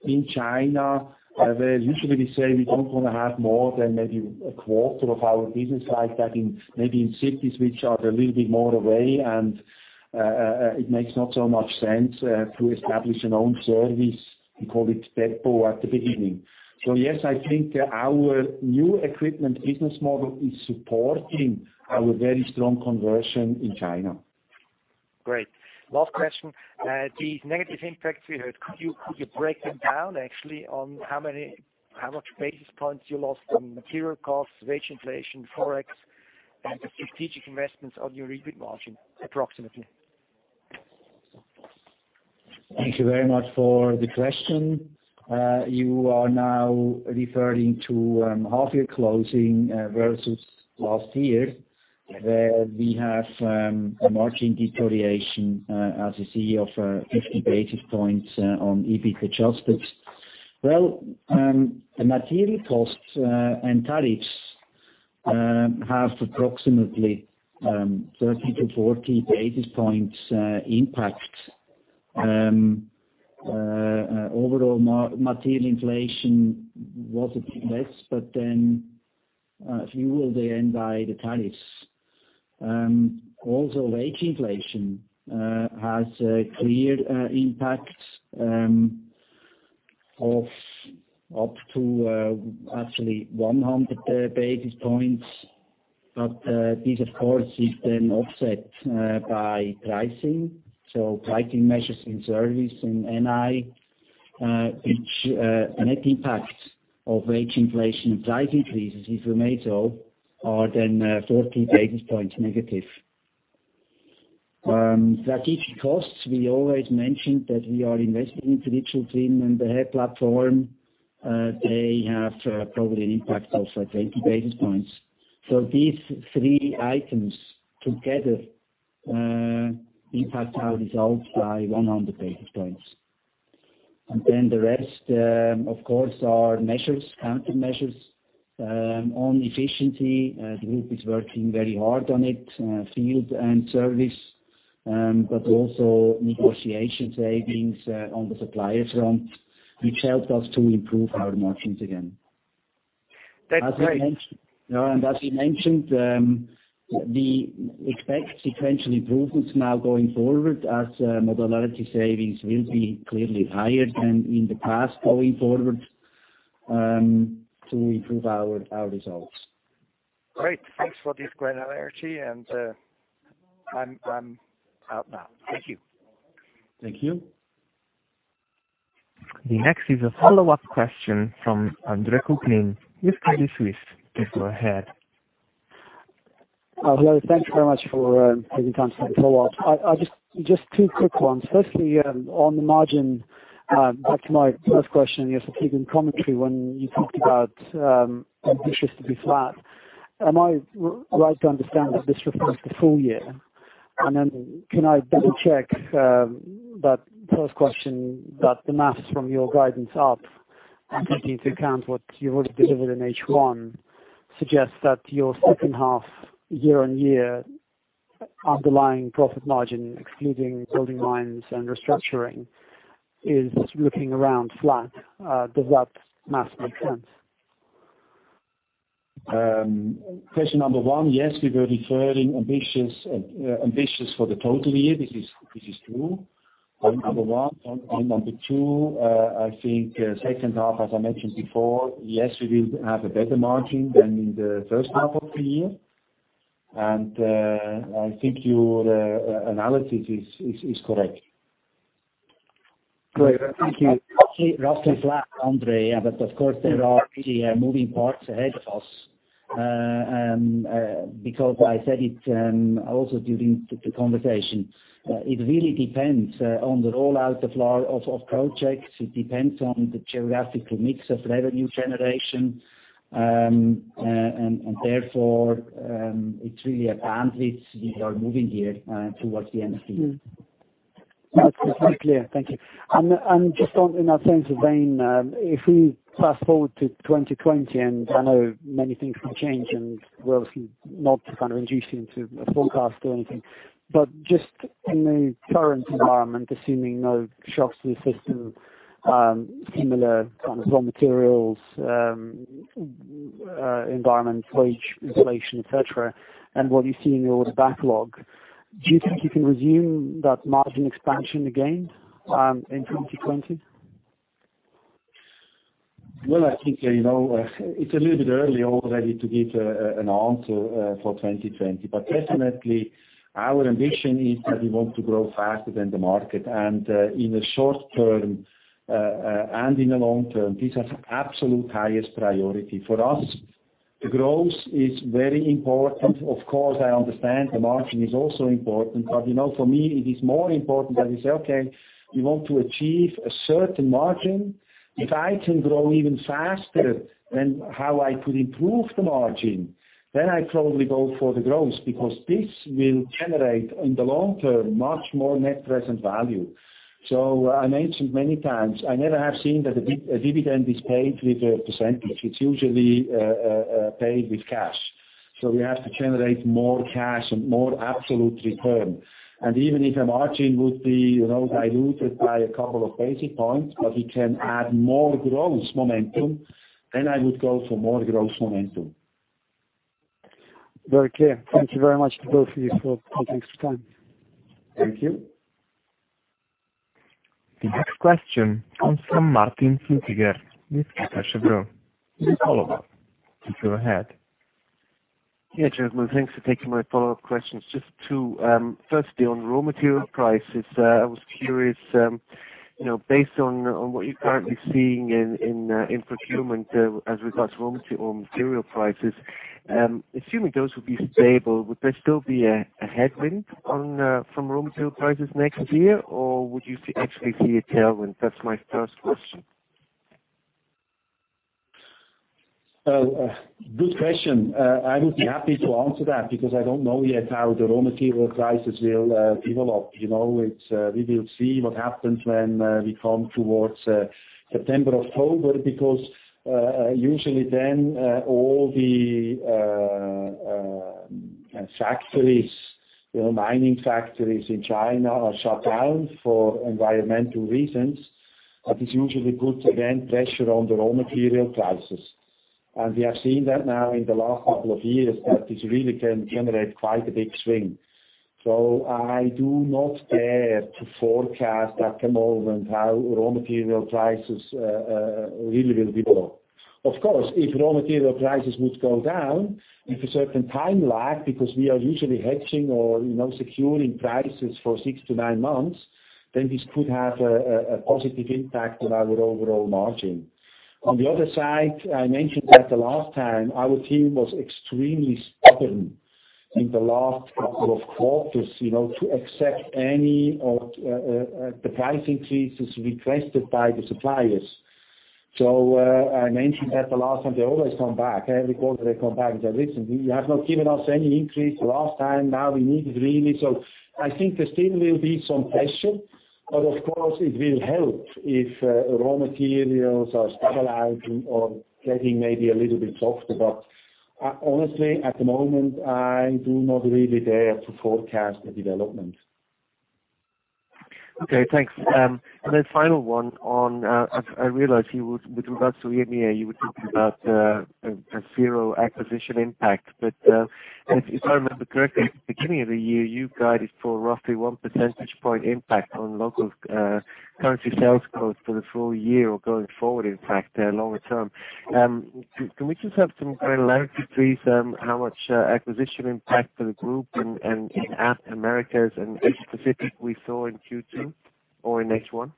in China, where usually we say we don't want to have more than maybe a quarter of our business like that in maybe in cities which are a little bit more away and it makes not so much sense to establish an own service, we call it depot at the beginning. Yes, I think our new equipment business model is supporting our very strong conversion in China. Great. Last question. These negative impacts we heard, could you break them down actually on how much basis points you lost on material costs, wage inflation, Forex, and the strategic investments on your EBIT margin, approximately? Thank you very much for the question. You are now referring to half year closing versus last year, where we have a margin deterioration as you see of 50 basis points on EBIT adjusted. Well, the material costs and tariffs have approximately 30-40 basis points impact. Overall material inflation was a bit less, fueled thereby the tariffs. Also wage inflation has a clear impact of up to actually 100 basis points. This of course is then offset by pricing. Pricing measures in service and NI, which net impact of wage inflation and price increases if we may say so are then 40 basis points negative. Strategic costs, we always mentioned that we are investing in digital twin and the Ahead platform. They have probably an impact of 20 basis points. These three items together impact our results by 100 basis points. The rest, of course, are measures, countermeasures on efficiency. The Group is working very hard on it, field and service. Also negotiation savings on the supplier front, which helped us to improve our margins again. That's great. As we mentioned, we expect sequential improvements now going forward as modularity savings will be clearly higher than in the past, going forward, to improve our results. Great. Thanks for this granularity. I'm out now. Thank you. Thank you. The next is a follow-up question from Andre Kukhnin with Credit Suisse. Please go ahead. Hello, thanks very much for taking time for the follow-up. Just two quick ones. On the margin, back to my first question, your opening commentary when you talked about ambitious to be flat. Am I right to understand that this refers the full year? Can I double-check that first question, that the math from your guidance up, and taking into account what you already delivered in H1, suggests that your second half year-on-year underlying profit margin, excluding BuildingMinds and restructuring, is looking around flat. Does that math make sense? Question number 1, yes, we were referring ambitious for the total year. This is true on number 1. On number 2, I think second half, as I mentioned before, yes, we will have a better margin than in the first half of the year. I think your analysis is correct. Great. Thank you. Roughly flat, Andre. Of course, there are really moving parts ahead of us. I said it also during the conversation. It really depends on the rollout of projects. It depends on the geographical mix of revenue generation. Therefore, it's really a bandwidth we are moving here towards the end of the year. That's perfectly clear. Thank you. Just on, in that same vein, if we fast forward to 2020, I know many things can change, we're obviously not kind of inducing to forecast or anything, but just in the current environment, assuming no shocks to the system, similar kind of raw materials environment, wage, inflation, et cetera, what you see in your backlog, do you think you can resume that margin expansion again in 2020? Well, I think, it's a little bit early already to give an answer for 2020, but definitely our ambition is that we want to grow faster than the market, and in the short term and in the long term, these are absolute highest priority. For us, growth is very important. Of course, I understand the margin is also important, but for me it is more important that we say, okay, we want to achieve a certain margin. If I can grow even faster than how I could improve the margin, then I probably go for the growth because this will generate, in the long term, much more net present value. I mentioned many times, I never have seen that a dividend is paid with a percentage. It's usually paid with cash. We have to generate more cash and more absolute return. Even if a margin would be diluted by a couple of basis points, but we can add more growth momentum, then I would go for more growth momentum. Very clear. Thank you very much to both of you for taking some time. Thank you. The next question comes from Martin Flueckiger with Credit Suisse. It's a follow-up. Please go ahead. Gentlemen, thanks for taking my follow-up questions. Just two. Firstly, on raw material prices, I was curious, based on what you're currently seeing in procurement as regards raw material prices, assuming those would be stable, would there still be a headwind from raw material prices next year, or would you actually see a tailwind? That's my first question. Good question. I would be happy to answer that because I don't know yet how the raw material prices will develop. We will see what happens when we come towards September, October, because usually then, all the mining factories in China are shut down for environmental reasons. That usually puts, again, pressure on the raw material prices. We have seen that now in the last couple of years, that this really can generate quite a big swing. I do not dare to forecast at the moment how raw material prices really will develop. Of course, if raw material prices would go down with a certain time lag, because we are usually hedging or securing prices for six to nine months, then this could have a positive impact on our overall margin. On the other side, I mentioned that the last time, our team was extremely stubborn in the last couple of quarters to accept any of the price increases requested by the suppliers. I mentioned that the last time. They always come back. Every quarter, they come back and say, "Listen, you have not given us any increase last time. Now we need it really." I think there still will be some pressure, but of course it will help if raw materials are stabilizing or getting maybe a little bit softer. Honestly, at the moment, I do not really dare to forecast the development. Okay, thanks. Then final one on, I realize with regards to EMEA, you were talking about a zero acquisition impact, but if I remember correctly, at the beginning of the year, you guided for roughly 1 percentage point impact on local currency sales growth for the full year or going forward, in fact, longer term. Can we just have some kind of clarity, please, how much acquisition impact for the group and in Americas and Asia-Pacific we saw in Q2 or in H1?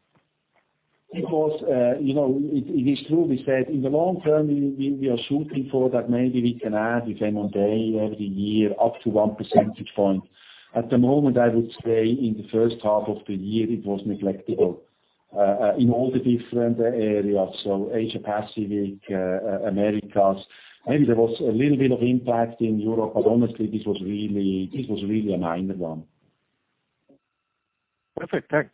Of course. It is true. We said in the long term, we are shooting for that maybe we can add, we can maintain every year up to one percentage point. At the moment, I would say in the first half of the year, it was negligible in all the different areas. Asia-Pacific, Americas, maybe there was a little bit of impact in Europe, but honestly, this was really a minor one. Perfect. Thanks.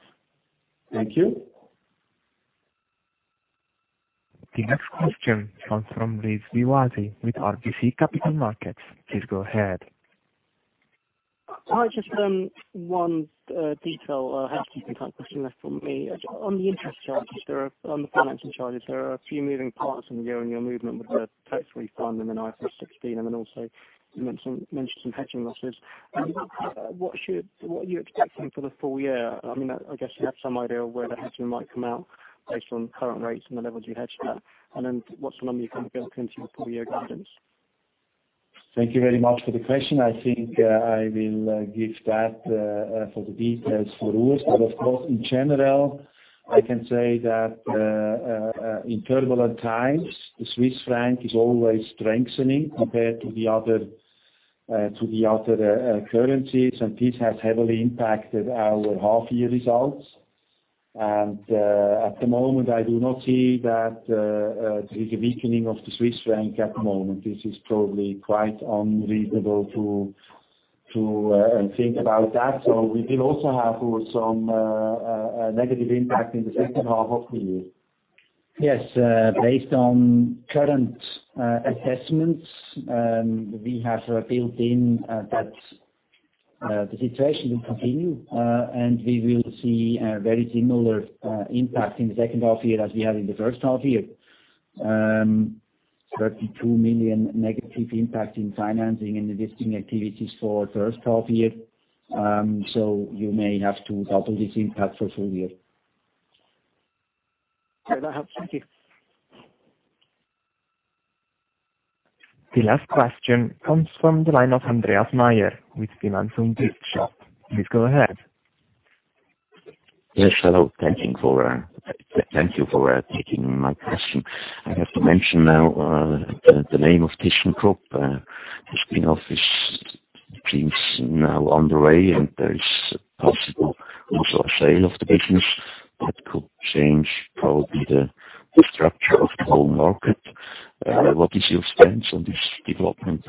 Thank you. The next question comes from Rizk Maidi with RBC Capital Markets. Please go ahead. Hi. Just one detail housekeeping type question left from me. On the interest charges, there are on the financing charges, there are a few moving parts in the year on your movement with the tax refund and then IFRS 16, and then also you mentioned some hedging losses. What are you expecting for the full year? I guess you have some idea of where the hedging might come out based on current rates and the levels you hedged at. What's the number you can build into the full year guidance? Thank you very much for the question. I think I will give that for the details for Urs. Of course, in general, I can say that in turbulent times, the Swiss franc is always strengthening compared to the other currencies, and this has heavily impacted our half year results. At the moment, I do not see that there is a weakening of the Swiss franc at the moment. This is probably quite unreasonable to think about that. We will also have some negative impact in the second half of the year. Yes. Based on current assessments, we have built in that the situation will continue, and we will see a very similar impact in the second half year as we have in the first half year. 32 million negative impact in financing and investing activities for first half year. You may have to double this impact for full year. That helps. Thank you. The last question comes from the line of Andreas Meyer with Finanz und Wirtschaft. Please go ahead. Yes, hello. Thank you for taking my question. I have to mention now the name of ThyssenKrupp. The spin-off seems now on the way. There is possible also a sale of the business that could change probably the structure of the whole market. What is your stance on this development?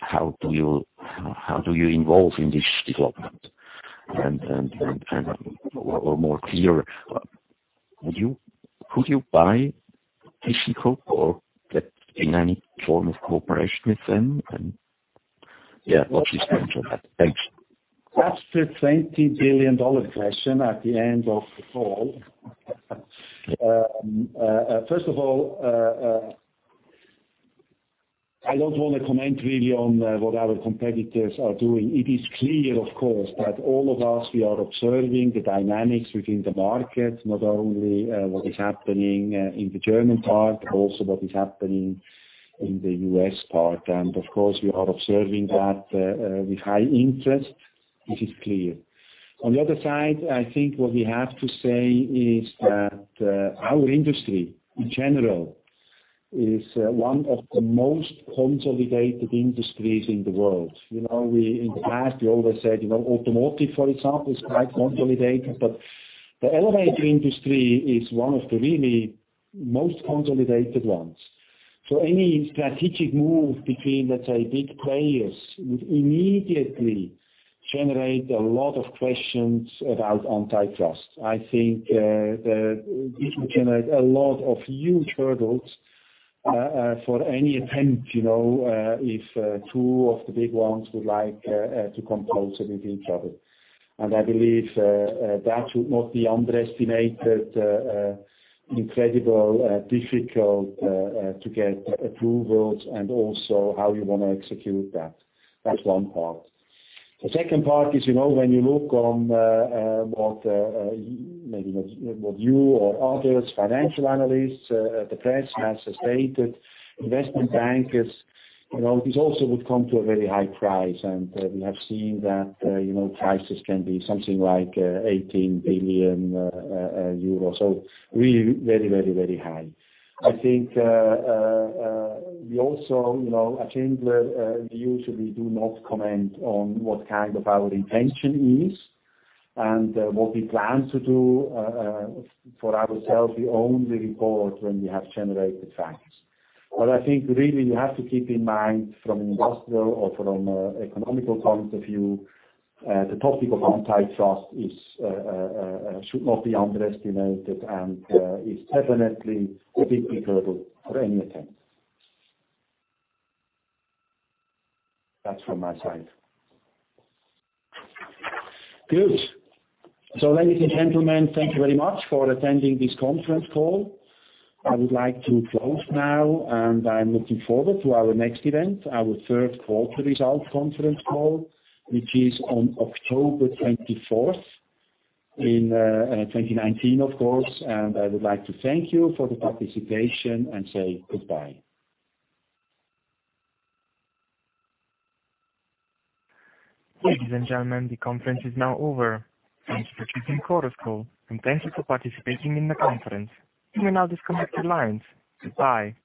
How do you involve in this development? More clear, could you buy ThyssenKrupp or get in any form of cooperation with them? Yeah, what's your stance on that? Thanks. That's the CHF 20 billion question at the end of the call. First of all, I don't want to comment really on what our competitors are doing. It is clear, of course, that all of us, we are observing the dynamics within the market, not only what is happening in the German part, also what is happening in the U.S. part. Of course, we are observing that with high interest. It is clear. On the other side, I think what we have to say is that our industry in general is one of the most consolidated industries in the world. In the past, we always said automotive, for example, is quite consolidated, but the elevator industry is one of the really most consolidated ones. Any strategic move between, let's say, big players would immediately generate a lot of questions about antitrust. I think this would generate a lot of huge hurdles for any attempt, if two of the big ones would like to compose with each other. I believe that should not be underestimated, incredibly difficult to get approvals and also how you want to execute that. That's one part. The second part is, when you look on what maybe what you or others, financial analysts, the press has stated, investment bankers, this also would come to a very high price, and we have seen that prices can be something like 18 billion euros. Really very, very, very high. I think we also, at Schindler, we usually do not comment on what our intention is and what we plan to do for ourselves. We only report when we have generated facts. I think really you have to keep in mind from an industrial or from economical point of view, the topic of antitrust should not be underestimated and is definitely a big hurdle for any attempt. That's from my side. Good. Ladies and gentlemen, thank you very much for attending this conference call. I would like to close now, and I'm looking forward to our next event, our third quarter results conference call, which is on October 24th in 2019, of course. I would like to thank you for the participation and say goodbye. Ladies and gentlemen, the conference is now over. Thanks for choosing Chorus Call, and thank you for participating in the conference. You may now disconnect your lines. Goodbye.